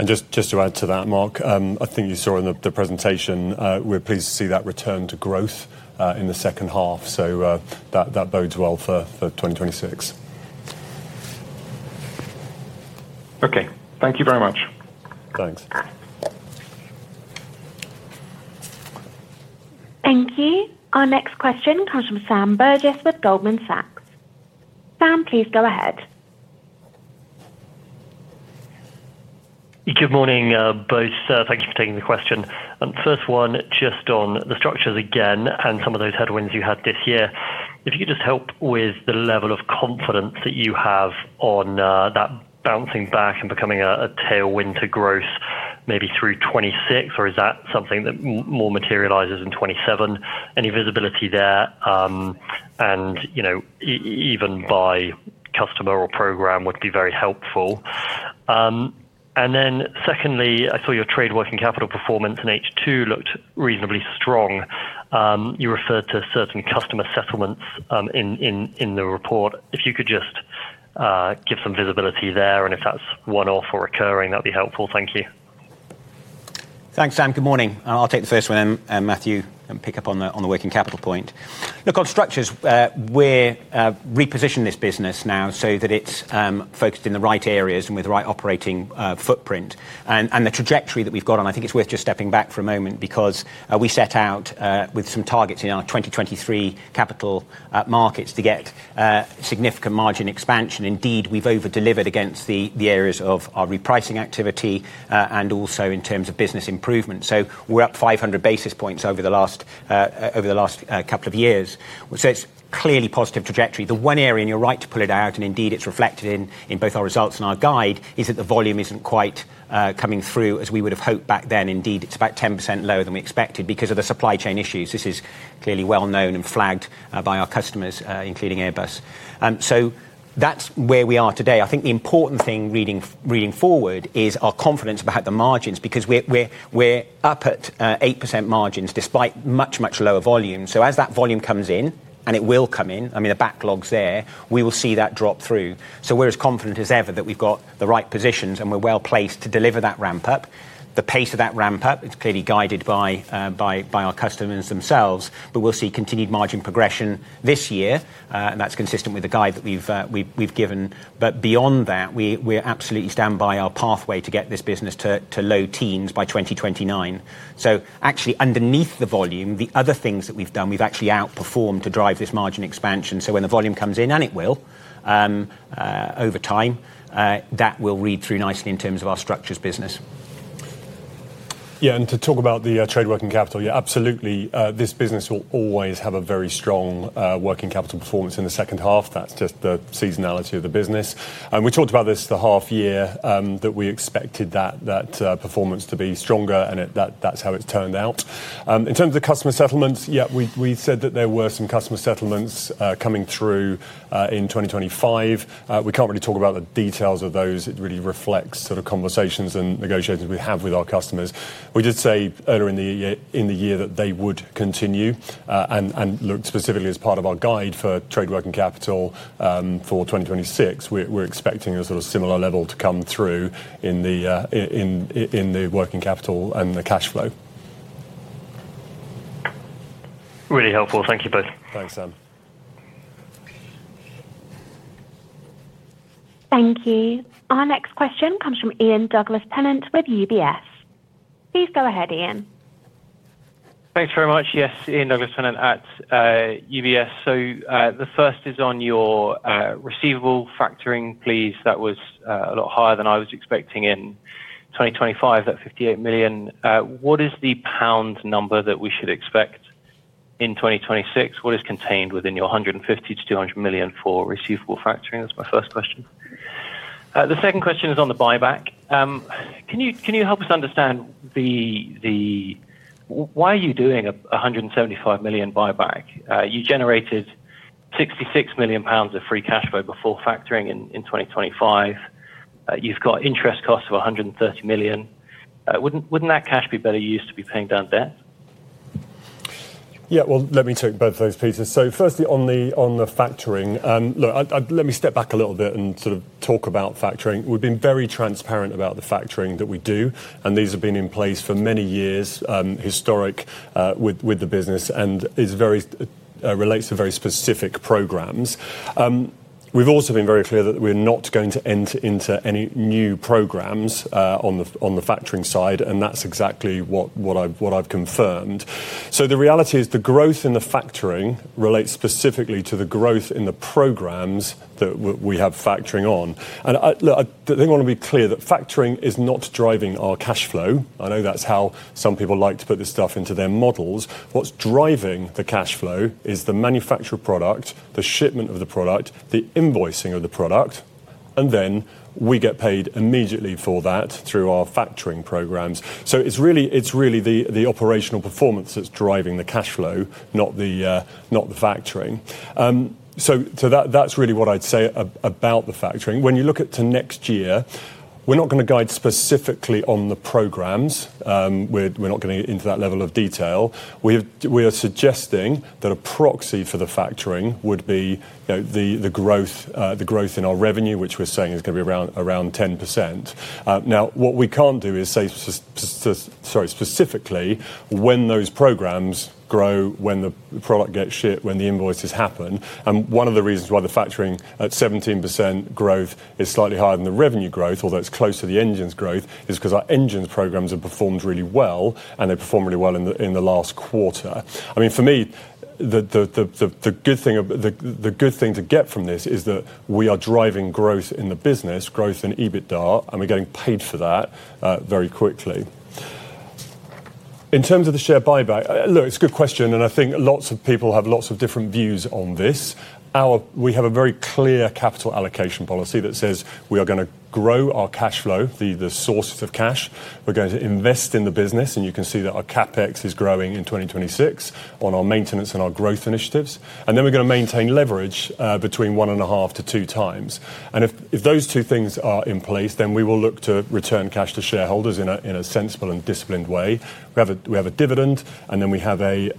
Just to add to that, Mark, I think you saw in the presentation, we're pleased to see that return to growth in the second half. That bodes well for 2026. Okay. Thank you very much. Thanks. Thank you. Our next question comes from Sam Burgess with Goldman Sachs. Sam, please go ahead. Good morning, both. Thank you for taking the question. First one, just on the structures again, and some of those headwinds you had this year. If you could just help with the level of confidence that you have on that bouncing back and becoming a tailwind to growth maybe through 2026, or is that something that more materializes in 2027? Any visibility there, and, you know, even by customer or program, would be very helpful. Secondly, I saw your trade working capital performance in H2 looked reasonably strong. You referred to certain customer settlements in the report. If you could just give some visibility there, and if that's one-off or recurring, that'd be helpful. Thank you. Thanks, Sam. Good morning. I'll take the first one, and Matthew, and pick up on the working capital point. Look, on structures, we're reposition this business now so that it's focused in the right areas and with the right operating footprint. The trajectory that we've got on, I think it's worth just stepping back for a moment because we set out with some targets in our 2023 Capital Markets to get significant margin expansion. Indeed, we've over-delivered against the areas of our repricing activity, and also in terms of business improvement. We're up 500 basis points over the last couple of years. It's clearly positive trajectory. The one area, you're right to pull it out, indeed it's reflected in both our results and our guide, is that the volume isn't quite coming through as we would have hoped back then. It's about 10% lower than we expected because of the supply chain issues. This is clearly well known and flagged by our customers, including Airbus. That's where we are today. I think the important thing leading forward, is our confidence about the margins, because we're up at 8% margins, despite much, much lower volumes. As that volume comes in, it will come in, I mean, the backlog's there, we will see that drop through. We're as confident as ever that we've got the right positions, we're well placed to deliver that ramp up. The pace of that ramp up, it's clearly guided by our customers themselves, We'll see continued margin progression this year, and that's consistent with the guide that we've given. Beyond that, we absolutely stand by our pathway to get this business to low teens by 2029. Actually, underneath the volume, the other things that we've done, we've actually outperformed to drive this margin expansion. When the volume comes in, and it will, over time, that will read through nicely in terms of our structures business. To talk about the trade working capital, absolutely, this business will always have a very strong working capital performance in the second half. That's just the seasonality of the business. We talked about this, the half year, that we expected that performance to be stronger, and that's how it's turned out. In terms of customer settlements, we said that there were some customer settlements coming through in 2025. We can't really talk about the details of those. It really reflects sort of conversations and negotiations we have with our customers. We did say earlier in the year that they would continue, and look, specifically as part of our guide for trade working capital, for 2026, we're expecting a sort of similar level to come through in the working capital and the cashflow. Really helpful. Thank you both. Thanks, Sam. Thank you. Our next question comes from Ian Douglas-Pennant with UBS. Please go ahead, Ian. Thanks very much. Yes, Ian Douglas-Pennant at UBS. The first is on your receivable factoring, please. That was a lot higher than I was expecting in 2025, that 58 million. What is the pound number that we should expect in 2026? What is contained within your 150 million-200 million for receivable factoring? That's my first question. The second question is on the buyback. Can you help us understand why are you doing a 175 million buyback? You generated 66 million pounds of free cash flow before factoring in 2025, you've got interest costs of 130 million. Wouldn't that cash be better used to be paying down debt? Yeah, well, let me take both those, Peter. Firstly, on the factoring, look, let me step back a little bit and sort of talk about factoring. We've been very transparent about the factoring that we do, and these have been in place for many years, historic, with the business, and is very, relates to very specific programs. We've also been very clear that we're not going to enter into any new programs, on the factoring side, and that's exactly what I've confirmed. The reality is, the growth in the factoring relates specifically to the growth in the programs that we have factoring on. I, look, I think I want to be clear that factoring is not driving our cash flow. I know that's how some people like to put this stuff into their models. What's driving the cash flow is the manufactured product, the shipment of the product, the invoicing of the product, and then we get paid immediately for that through our factoring programs. It's really the operational performance that's driving the cash flow, not the factoring. That's really what I'd say about the factoring. When you look at to next year, we're not gonna guide specifically on the programs. We're not gonna get into that level of detail. We are suggesting that a proxy for the factoring would be, you know, the growth in our revenue, which we're saying is gonna be around 10%. Now, what we can't do is say specifically, when those programs grow, when the product gets shipped, when the invoices happen. One of the reasons why the factoring at 17% growth is slightly higher than the revenue growth, although it's close to the engines growth, is cause our engines programs have performed really well, and they performed really well in the last quarter. I mean, for me, the good thing to get from this is that we are driving growth in the business, growth in EBITDA, and we're getting paid for that very quickly. In terms of the share buyback, look, it's a good question, I think lots of people have lots of different views on this. We have a very clear capital allocation policy that says we are gonna grow our cash flow, the source of cash. We're going to invest in the business. You can see that our CapEx is growing in 2026 on our maintenance and our growth initiatives. We're gonna maintain leverage between 1.5x-2x. If those two things are in place, then we will look to return cash to shareholders in a sensible and disciplined way. We have a dividend, and then we have the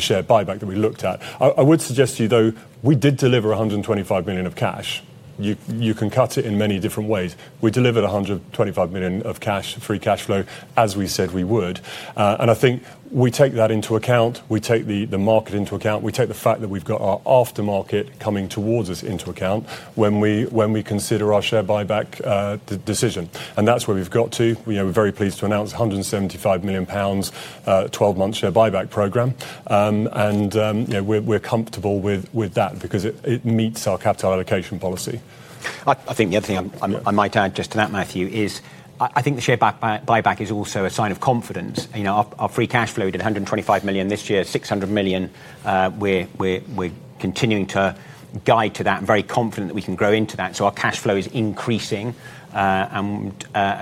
share buyback that we looked at. I would suggest to you, though, we did deliver 125 million of cash. You can cut it in many different ways. We delivered 125 million of cash, free cash flow, as we said we would. I think we take that into account, we take the market into account, we take the fact that we've got our aftermarket coming towards us into account when we consider our share buyback decision. That's where we've got to. We are very pleased to announce a 175 million pounds, 12-month share buyback program. you know, we're comfortable with that because it meets our capital allocation policy. I think the other thing. Yeah I might add just to that, Matthew, is I think the share back-buyback is also a sign of confidence. You know, our free cash flow at 125 million this year, 600 million, we're continuing to guide to that and very confident that we can grow into that. Our cash flow is increasing. As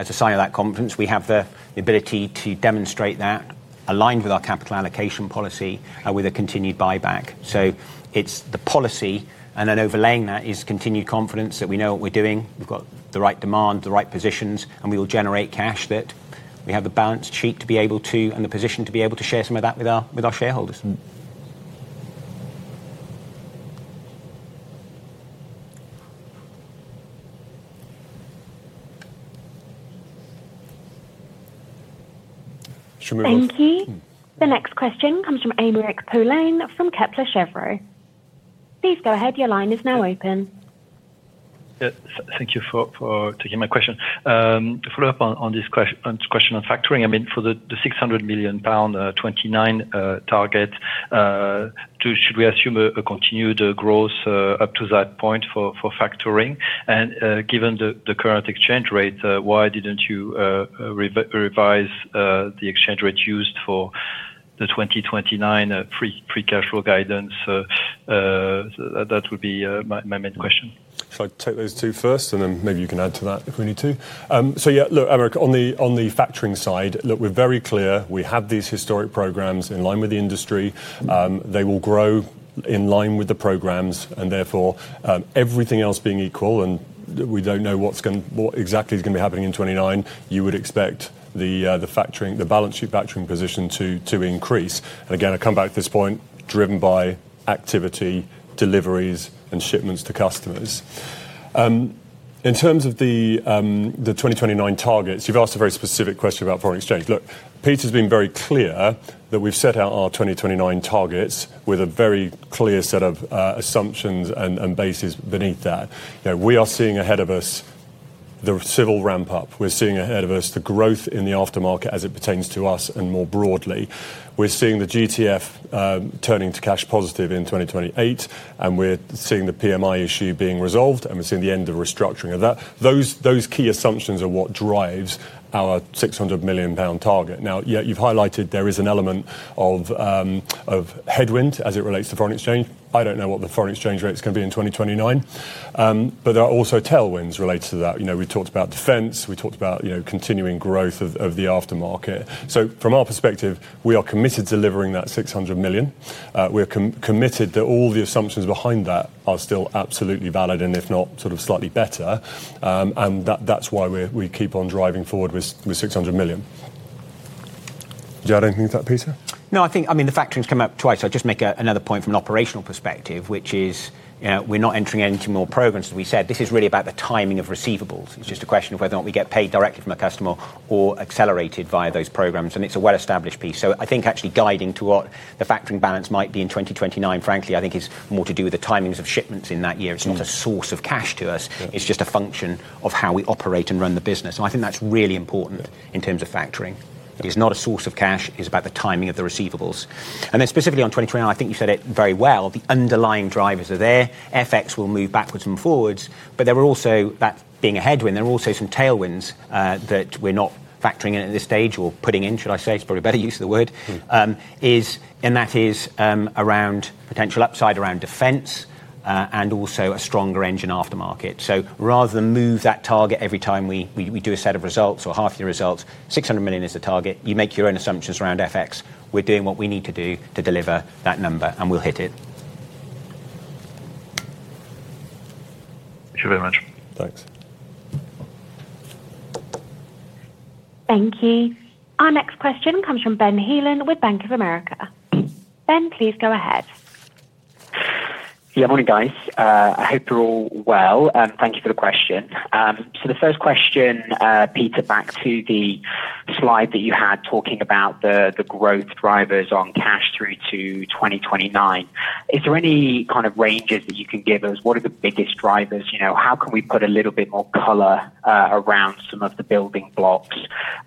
a sign of that confidence, we have the ability to demonstrate that aligned with our capital allocation policy, with a continued buyback. It's the policy, and then overlaying that is continued confidence that we know what we're doing. We've got the right demand, the right positions, and we will generate cash, that we have the balance sheet to be able to, and the position to be able to share some of that with our shareholders. Mm-hmm. Thank you. The next question comes from Aymeric Poulain from Kepler Cheuvreux. Please go ahead. Your line is now open. Thank you for taking my question. To follow up on this question on factoring, I mean, for the 600 million pound 2029 target, should we assume a continued growth up to that point for factoring? Given the current exchange rate, why didn't you revise the exchange rate used for the 2029 free cash flow guidance? That would be my main question. Shall I take those two first, and then maybe you can add to that if we need to? Yeah, look, Aymeric, on the factoring side, look, we're very clear we have these historic programs in line with the industry. They will grow in line with the programs, and therefore, everything else being equal, and we don't know what exactly is going to be happening in 2029, you would expect the factoring, the balance sheet factoring position to increase. Again, I come back to this point, driven by activity, deliveries, and shipments to customers. In terms of the 2029 targets, you've asked a very specific question about foreign exchange. Look, Peter's been very clear that we've set out our 2029 targets with a very clear set of assumptions and bases beneath that. You know, we are seeing ahead of us the civil ramp up. We're seeing ahead of us the growth in the aftermarket as it pertains to us and more broadly. We're seeing the GTF turning to cash positive in 2028, and we're seeing the PMI issue being resolved, and we're seeing the end of restructuring of that. Those key assumptions are what drives our 600 million pound target. Yet you've highlighted there is an element of headwind as it relates to foreign exchange. I don't know what the foreign exchange rate is gonna be in 2029, there are also tailwinds related to that. You know, we talked about defense, we talked about, you know, continuing growth of the aftermarket. From our perspective, we are committed to delivering that 600 million. We're committed that all the assumptions behind that are still absolutely valid, and if not, sort of slightly better. That's why we're, we keep on driving forward with 600 million. Do you add anything to that, Peter? I think, I mean, the factoring's come up twice. I'll just make another point from an operational perspective, which is, we're not entering into more programs, as we said. This is really about the timing of receivables. It's just a question of whether or not we get paid directly from a customer or accelerated via those programs, and it's a well-established piece. I think actually guiding to what the factoring balance might be in 2029, frankly, I think is more to do with the timings of shipments in that year. It's not a source of cash to us- Yeah. It's just a function of how we operate and run the business, and I think that's really important. Yeah -in terms of factoring. It is not a source of cash; it's about the timing of the receivables. Then specifically on 2023, I think you said it very well, the underlying drivers are there. FX will move backwards and forwards, but that being a headwind, there are also some tailwinds that we're not factoring in at this stage, or putting in, should I say, is probably a better use of the word. And that is around potential upside around defense, and also a stronger engine aftermarket. Rather than move that target every time we do a set of results or half-year results, 600 million is the target. You make your own assumptions around FX. We're doing what we need to do to deliver that number, and we'll hit it. Thank you very much. Thanks. Thank you. Our next question comes from Ben Heelan with Bank of America. Ben, please go ahead. Yeah, morning, guys. I hope you're all well, and thank you for the question. The first question, Peter, back to the slide that you had talking about the growth drivers on cash through to 2029. Is there any kind of ranges that you can give us? What are the biggest drivers? You know, how can we put a little bit more color around some of the building blocks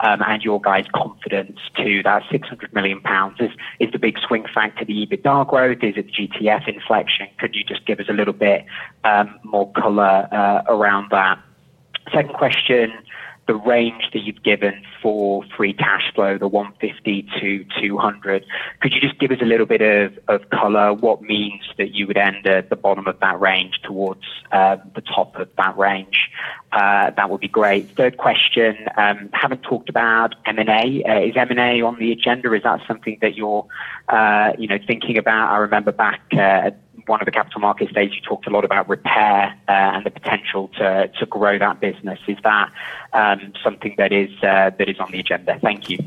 and your guys' confidence to that 600 million pounds? Is the big swing factor the EBITDA growth? Is it the GTF inflection? Could you just give us a little bit more color around that? Second question, the range that you've given for free cash flow, the 150-200, could you just give us a little bit of color, what means that you would end at the bottom of that range towards the top of that range? That would be great. Third question, haven't talked about M&A. Is M&A on the agenda? Is that something that you're, you know, thinking about? I remember back at one of the Capital Markets events, you talked a lot about repair, and the potential to grow that business. Is that something that is on the agenda? Thank you.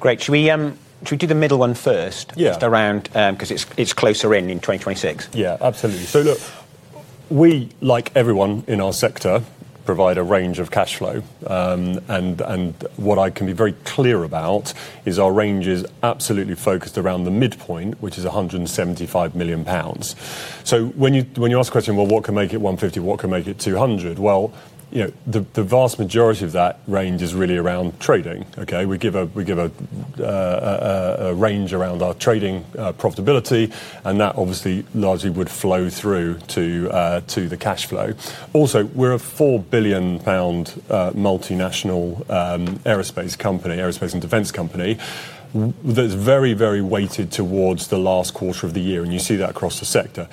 Great. Should we, should we do the middle one first? Yeah just around, 'cause it's closer in 2026? Yeah, absolutely. Look, we, like everyone in our sector, provide a range of cash flow. And what I can be very clear about is our range is absolutely focused around the midpoint, which is 175 million pounds. When you ask a question, "What can make it 150? What can make it 200?" You know, the vast majority of that range is really around trading, okay? We give a range around our trading profitability, and that obviously largely would flow through to the cash flow. Also, we're a 4 billion pound multinational aerospace company, aerospace and defense company, that's very, very weighted towards the last quarter of the year, and you see that across the sector.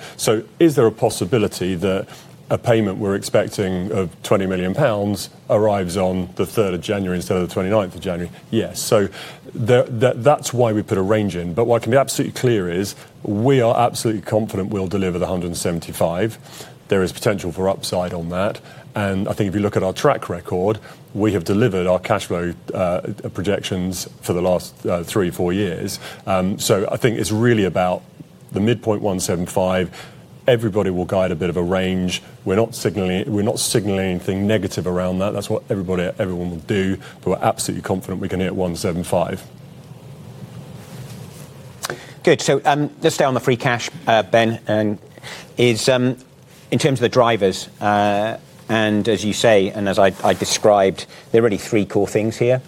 Is there a possibility that a payment we're expecting of 20 million pounds arrives on the 3rd of January instead of the 29th of January? Yes. That's why we put a range in. What can be absolutely clear is, we are absolutely confident we'll deliver 175 million. There is potential for upside on that, and I think if you look at our track record, we have delivered our cash flow projections for the last three or four years. I think it's really about the midpoint 175 million. Everybody will guide a bit of a range. We're not signaling anything negative around that. That's what everyone will do, but we're absolutely confident we can hit 175 million. Good. Just stay on the free cash, Ben, and is in terms of the drivers, and as you say, and as I described, there are really three core things here.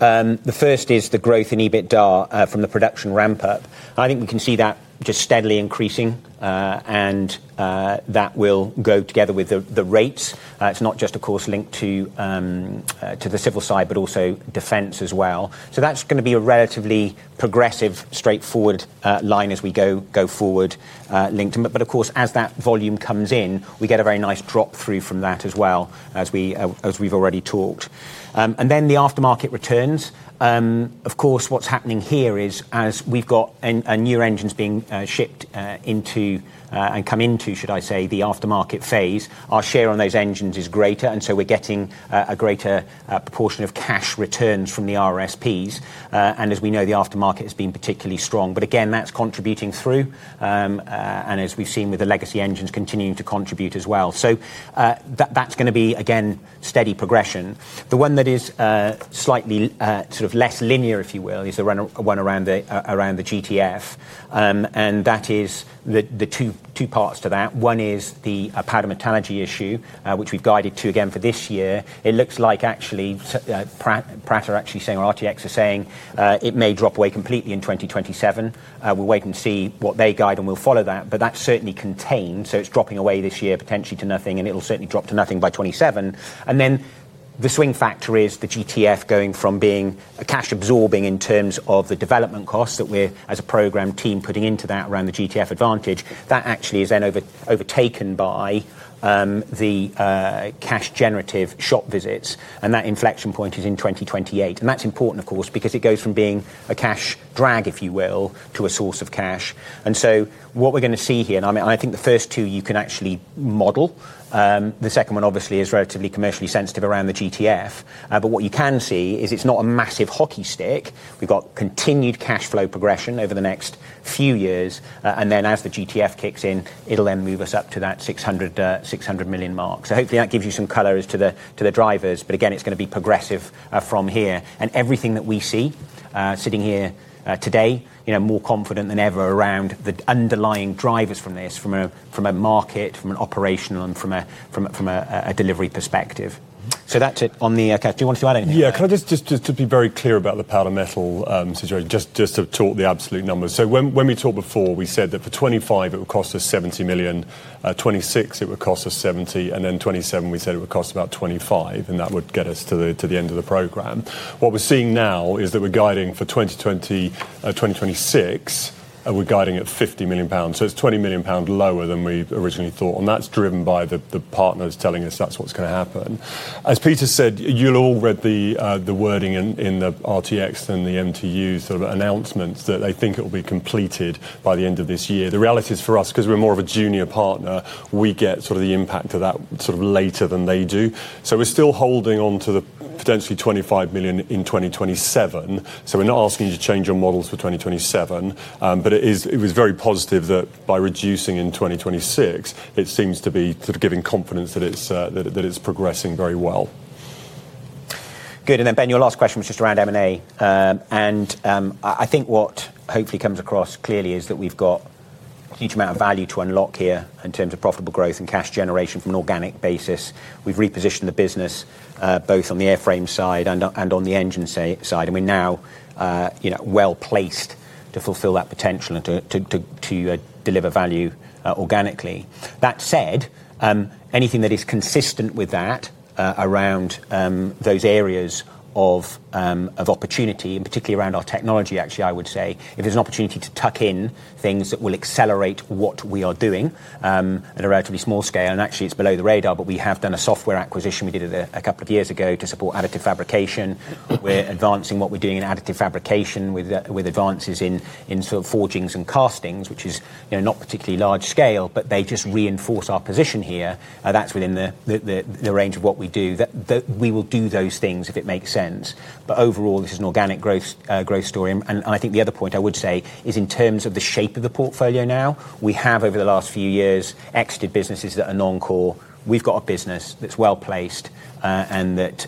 The first is the growth in EBITDA from the production ramp-up. I think we can see that just steadily increasing, and that will go together with the rates. It's not just, of course, linked to the civil side, but also defense as well. That's gonna be a relatively progressive, straightforward line as we go forward, linked to them. Of course, as that volume comes in, we get a very nice drop through from that as well, as we've already talked. The aftermarket returns. Of course, what's happening here is, as we've got a new engines being shipped into, and come into, should I say, the aftermarket phase, our share on those engines is greater, and so we're getting a greater proportion of cash returns from the RRSPs. As we know, the aftermarket has been particularly strong. Again, that's contributing through, and as we've seen with the legacy engines, continuing to contribute as well. That's gonna be, again, steady progression. The one that is slightly sort of less linear, if you will, is around the GTF. That is the two parts to that. One is the powder metallurgy issue, which we've guided to again for this year. It looks like actually, Pratt are actually saying, or RTX are saying, it may drop away completely in 2027. We'll wait and see what they guide, and we'll follow that. That's certainly contained, so it's dropping away this year, potentially to nothing, and it'll certainly drop to nothing by 2027. The swing factor is the GTF going from being a cash absorbing in terms of the development costs that we're, as a program team, putting into that around the GTF Advantage. That actually is then overtaken by the cash generative shop visits, and that inflection point is in 2028. That's important, of course, because it goes from being a cash drag, if you will, to a source of cash. What we're going to see here, and I mean, I think the first two you can actually model. The second one, obviously, is relatively commercially sensitive around the GTF, but what you can see is it's not a massive hockey stick. We've got continued cash flow progression over the next few years, and then as the GTF kicks in, it'll then move us up to that 600 million mark. Hopefully, that gives you some color as to the, to the drivers, but again, it's going to be progressive from here. Everything that we see sitting here today, you know, more confident than ever around the underlying drivers from this, from a, from a market, from an operational, and from a, from a, from a delivery perspective. That's it on the... Okay, do you want to add anything? Yeah. Can I just to be very clear about the powder metal situation, just to talk the absolute numbers. When we talked before, we said that for 2025, it would cost us 70 million, 2026, it would cost us 70 million, and then 2027, we said it would cost about 25 million, and that would get us to the end of the program. What we're seeing now is that we're guiding for 2026, and we're guiding at 50 million pounds. It's 20 million pounds lower than we originally thought, and that's driven by the partners telling us that's what's going to happen. As Peter said, you'll all read the wording in the RTX and the MTU sort of announcements, that they think it will be completed by the end of this year. The reality is, for us, 'cause we're more of a junior partner, we get sort of the impact of that sort of later than they do. We're still holding on to the potentially 25 million in 2027. We're not asking you to change your models for 2027, it was very positive that by reducing in 2026, it seems to be sort of giving confidence that it's progressing very well. Good. Ben, your last question was just around M&A. I think what hopefully comes across clearly is that we've got a huge amount of value to unlock here in terms of profitable growth and cash generation from an organic basis. We've repositioned the business, both on the Airframes side and on the engine side, and we're now, you know, well-placed to fulfill that potential and to deliver value organically. That said, anything that is consistent with that, around those areas of opportunity, and particularly around our technology, actually, I would say, if there's an opportunity to tuck in things that will accelerate what we are doing, at a relatively small scale, and actually, it's below the radar, but we have done a software acquisition. We did it a couple of years ago to support additive fabrication. We're advancing what we're doing in additive fabrication, with advances in sort of forgings and castings, which is, you know, not particularly large scale, but they just reinforce our position here. That's within the range of what we do. We will do those things if it makes sense. Overall, this is an organic growth story. I think the other point I would say is in terms of the shape of the portfolio now, we have, over the last few years, exited businesses that are non-core. We've got a business that's well-placed, and that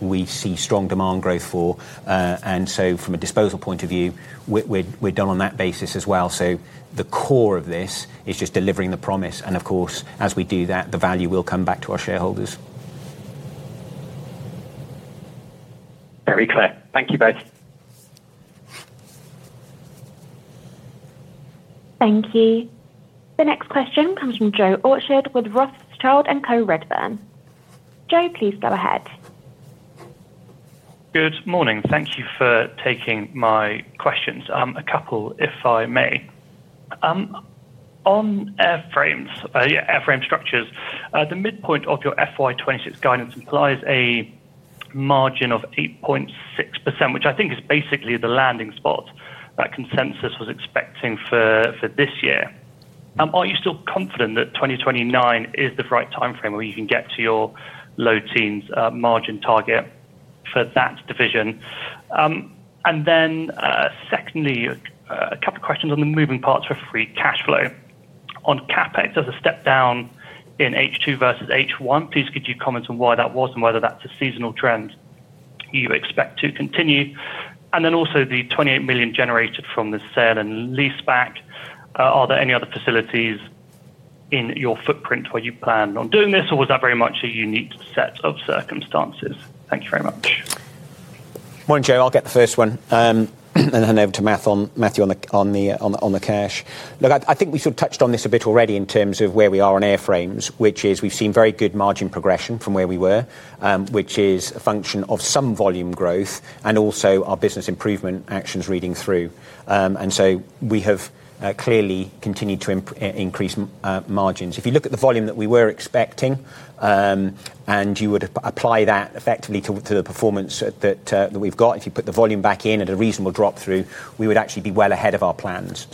we see strong demand growth for. From a disposal point of view, we're done on that basis as well. The core of this is just delivering the promise. Of course, as we do that, the value will come back to our shareholders. Very clear. Thank you both. Thank you. The next question comes from Joe Orchard with Rothschild & Co Redburn. Joe, please go ahead. Good morning. Thank you for taking my questions. A couple, if I may. On Airframes, Airframes structures, the midpoint of your FY 2026 guidance implies a margin of 8.6%, which I think is basically the landing spot that consensus was expecting for this year. Are you still confident that 2029 is the right timeframe where you can get to your low teens margin target for that division? Secondly, a couple of questions on the moving parts for free cash flow. On CapEx, as a step down in H2 versus H1, please could you comment on why that was and whether that's a seasonal trend you expect to continue? Also, the 28 million generated from the sale and leaseback, are there any other facilities in your footprint where you planned on doing this, or was that very much a unique set of circumstances? Thank you very much. Morning, Joe. I'll get the first one, and then over to Matthew on the cash. Look, I think we sort of touched on this a bit already in terms of where we are on Airframes, which is we've seen very good margin progression from where we were, which is a function of some volume growth and also our business improvement actions reading through. We have clearly continued to increase margins. If you look at the volume that we were expecting, and you would apply that effectively to the performance that we've got, if you put the volume back in at a reasonable drop-through, we would actually be well ahead of our plans.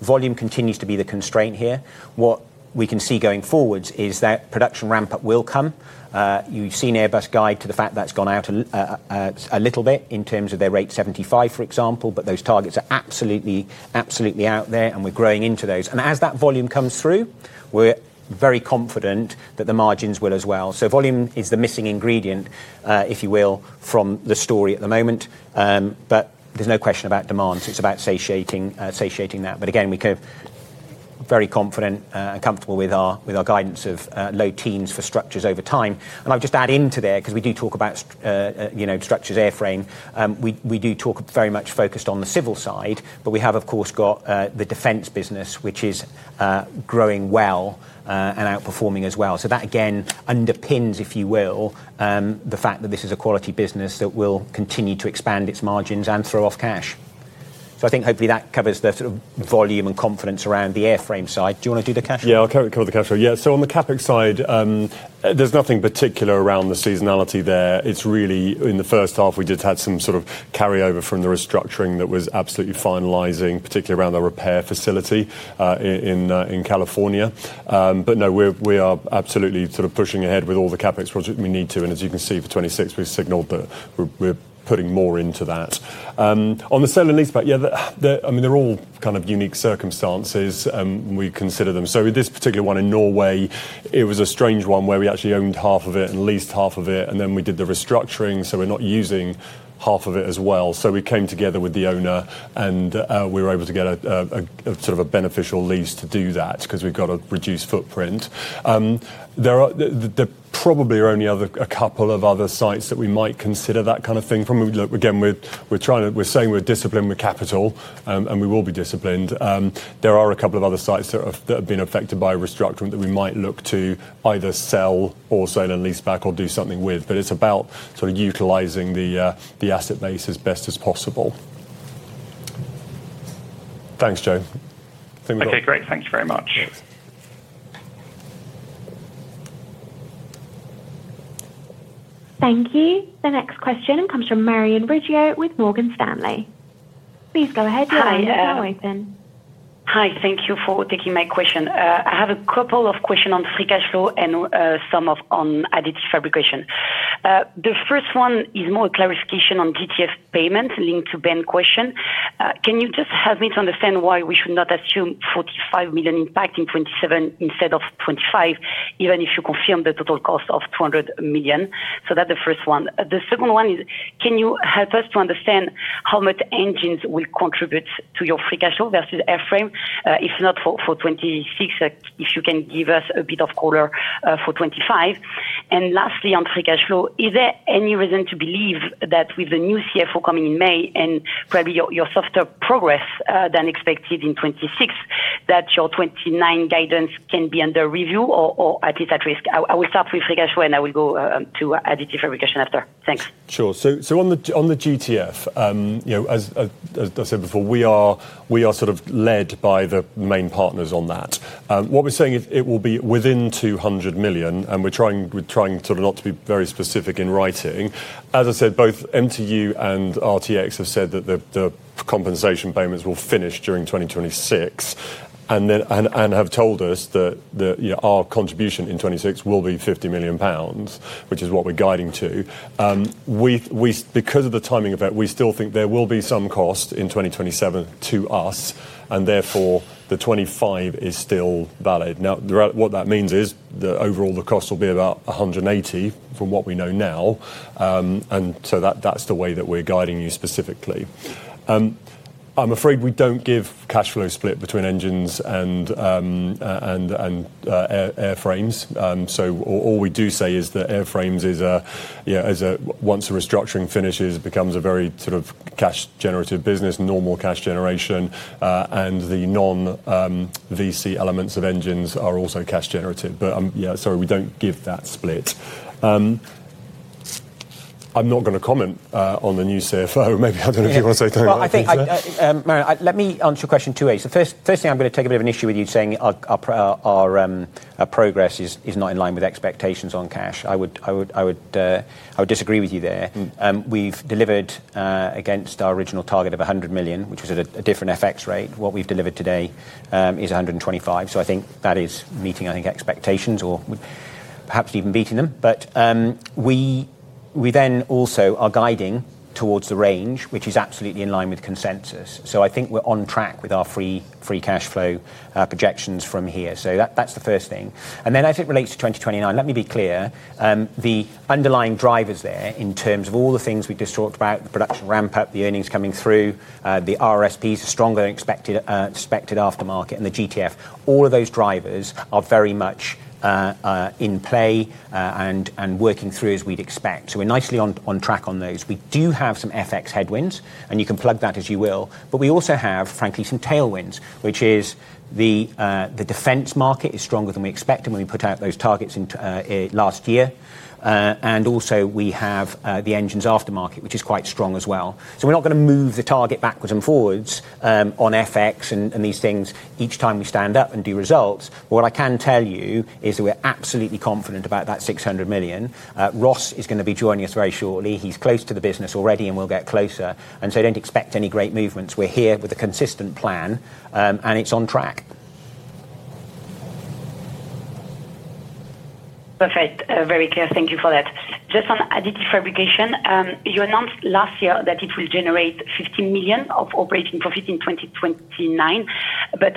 Volume continues to be the constraint here. What we can see going forwards is that production ramp-up will come. You've seen Airbus guide to the fact that's gone out a little bit in terms of their rate 75, for example, but those targets are absolutely out there, and we're growing into those. As that volume comes through, we're very confident that the margins will as well. Volume is the missing ingredient, if you will, from the story at the moment, but there's no question about demand. It's about satiating that. Again, we're kind of very confident and comfortable with our guidance of low teens for structures over time. I'll just add into there, 'cause we do talk about, you know, Structures, Airframes. We, we do talk very much focused on the civil side, but we have, of course, got the defense business, which is growing well and outperforming as well. That, again, underpins, if you will, the fact that this is a quality business that will continue to expand its margins and throw off cash. I think hopefully that covers the sort of volume and confidence around the Airframes side. Do you want to do the cash flow? Yeah, I'll cover the cash flow. On the CapEx side, there's nothing particular around the seasonality there. It's really, in the first half, we did have some sort of carryover from the restructuring that was absolutely finalizing, particularly around the repair facility in California. No, we are absolutely sort of pushing ahead with all the CapEx projects we need to. As you can see, for 2026, we've signaled that we're putting more into that. On the sale and leaseback, I mean, they're all kind of unique circumstances, we consider them. With this particular one in Norway, it was a strange one where we actually owned half of it and leased half of it, and then we did the restructuring, so we're not using half of it as well. We came together with the owner, and we were able to get a sort of a beneficial lease to do that because we've got a reduced footprint. There probably are only a couple of other sites that we might consider that kind of thing from. Look, again, we're saying we're disciplined with capital, and we will be disciplined. There are a couple of other sites that have been affected by restructuring that we might look to either sell or sale and leaseback or do something with, it's about sort of utilizing the asset base as best as possible. Thanks, Joe. Okay, great. Thank you very much. Thanks. Thank you. The next question comes from Marie-Ange Riggio with Morgan Stanley. Please go ahead. Your line is now open. Hi. Thank you for taking my question. I have a couple of questions on free cash flow and some of on additive fabrication. The first one is more clarification on GTF payment linked to Ben question. Can you just help me to understand why we should not assume 45 million impact in 2027 instead of 2025, even if you confirm the total cost of 200 million? That's the first one. The second one is, can you help us to understand how much Engines will contribute to your free cash flow versus Airframes? If not for 2026, if you can give us a bit of color for 2025. Lastly, on free cash flow, is there any reason to believe that with the new CFO coming in May and probably your softer progress than expected in 2026, that your 2029 guidance can be under review or at least at risk? I will start with free cash flow, and I will go to additive fabrication after. Thanks. Sure. On the GTF, you know, as I said before, we are sort of led by the main partners on that. What we're saying is it will be within 200 million, and we're trying sort of not to be very specific in writing. As I said, both MTU and RTX have said that the compensation payments will finish during 2026, and have told us that, you know, our contribution in 2026 will be 50 million pounds, which is what we're guiding to. Because of the timing of it, we still think there will be some cost in 2027 to us, and therefore, the 25 million is still valid. What that means is that overall, the cost will be about 180 from what we know now. That, that's the way that we're guiding you specifically. I'm afraid we don't give cash flow split between Engines and Airframes. All we do say is that Airframes is a, you know, once the restructuring finishes, it becomes a very sort of cash-generative business, normal cash generation, and the non VC elements of Engines are also cash generative. Yeah, sorry, we don't give that split. I'm not gonna comment on the new CFO. Maybe, I don't know if you want to say something. I think, I, Marie-Ange, let me answer your question two ways. The first thing, I'm gonna take a bit of an issue with you saying our progress is not in line with expectations on cash. I would disagree with you there. Mm-hmm. We've delivered against our original target of 100 million, which was at a different FX rate. What we've delivered today is 125. I think that is meeting expectations or perhaps even beating them. We also are guiding towards the range, which is absolutely in line with consensus. I think we're on track with our free cash flow projections from here. That's the first thing. As it relates to 2029, let me be clear, the underlying drivers there, in terms of all the things we just talked about, the production ramp-up, the earnings coming through, the RRSPs, stronger than expected aftermarket, and the GTF, all of those drivers are very much in play and working through as we'd expect. We're nicely on track on those. We do have some FX headwinds, and you can plug that as you will. We also have, frankly, some tailwinds, which is the defense market is stronger than we expected when we put out those targets into last year. We have the Engines aftermarket, which is quite strong as well. We're not gonna move the target backwards and forwards on FX and these things each time we stand up and do results. What I can tell you is that we're absolutely confident about that 600 million. Ross is gonna be joining us very shortly. He's close to the business already, and we'll get closer, and so don't expect any great movements. We're here with a consistent plan, and it's on track. Perfect. Very clear. Thank you for that. Just on additive fabrication, you announced last year that it will generate 50 million of operating profit in 2029.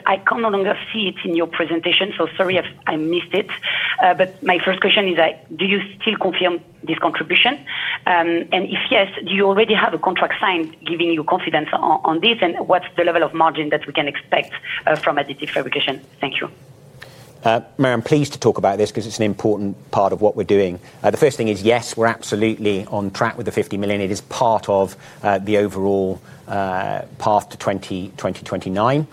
I can no longer see it in your presentation, so sorry if I missed it. My first question is that, do you still confirm this contribution? If yes, do you already have a contract signed, giving you confidence on this, and what's the level of margin that we can expect from additive fabrication? Thank you. Marie-Ange, I'm pleased to talk about this because it's an important part of what we're doing. The first thing is, yes, we're absolutely on track with the 50 million. It is part of the overall path to 2029.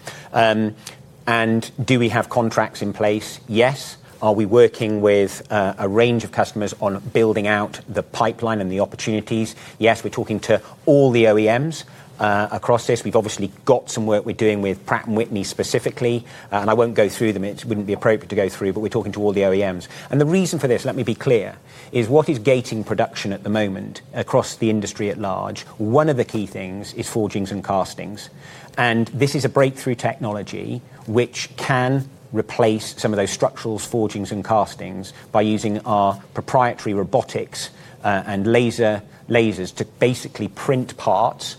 Do we have contracts in place? Yes. Are we working with a range of customers on building out the pipeline and the opportunities? Yes, we're talking to all the OEMs across this. We've obviously got some work we're doing with Pratt & Whitney specifically, and I won't go through them. It wouldn't be appropriate to go through, but we're talking to all the OEMs. The reason for this, let me be clear, is what is gating production at the moment across the industry at large, one of the key things is forgings and castings. This is a breakthrough technology which can replace some of those structurals, forgings, and castings by using our proprietary robotics and lasers to basically print parts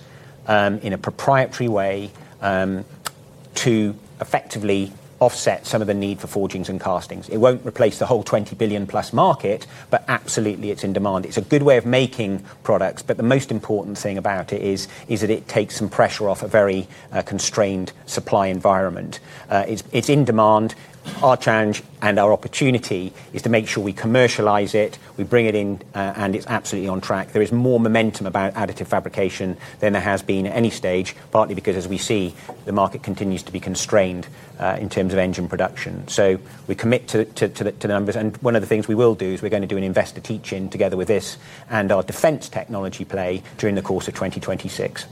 in a proprietary way to effectively offset some of the need for forgings and castings. It won't replace the whole 20 billion+ market. Absolutely, it's in demand. It's a good way of making products. The most important thing about it is that it takes some pressure off a very constrained supply environment. It's in demand. Our challenge and our opportunity is to make sure we commercialize it, we bring it in. It's absolutely on track. There is more momentum about additive fabrication than there has been at any stage, partly because, as we see, the market continues to be constrained in terms of engine production. We commit to the numbers. One of the things we will do is we're going to do an investor teach-in together with this and our defense technology play during the course of 2026.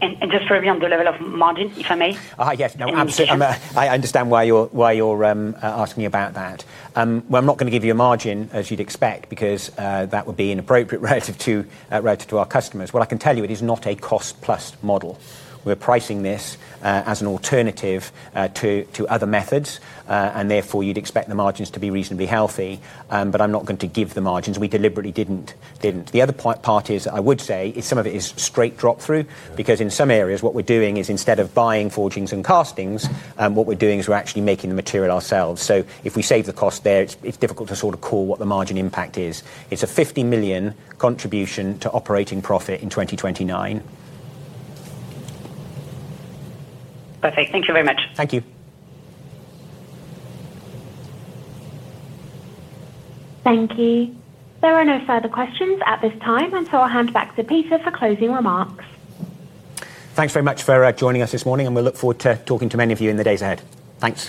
Just for me, on the level of margin, if I may? Yes. No, absolutely. And- I understand why you're asking about that. Well, I'm not gonna give you a margin, as you'd expect, because that would be inappropriate relative to our customers. What I can tell you, it is not a cost-plus model. We're pricing this as an alternative to other methods, and therefore, you'd expect the margins to be reasonably healthy, but I'm not going to give the margins. We deliberately didn't. The other part is, I would say, is some of it is straight drop-through. In some areas, what we're doing is, instead of buying forgings and castings, what we're doing is we're actually making the material ourselves. If we save the cost there, it's difficult to sort of call what the margin impact is. It's a 50 million contribution to operating profit in 2029. Perfect. Thank you very much. Thank you. Thank you. There are no further questions at this time. I'll hand back to Peter for closing remarks. Thanks very much for joining us this morning, and we look forward to talking to many of you in the days ahead. Thanks.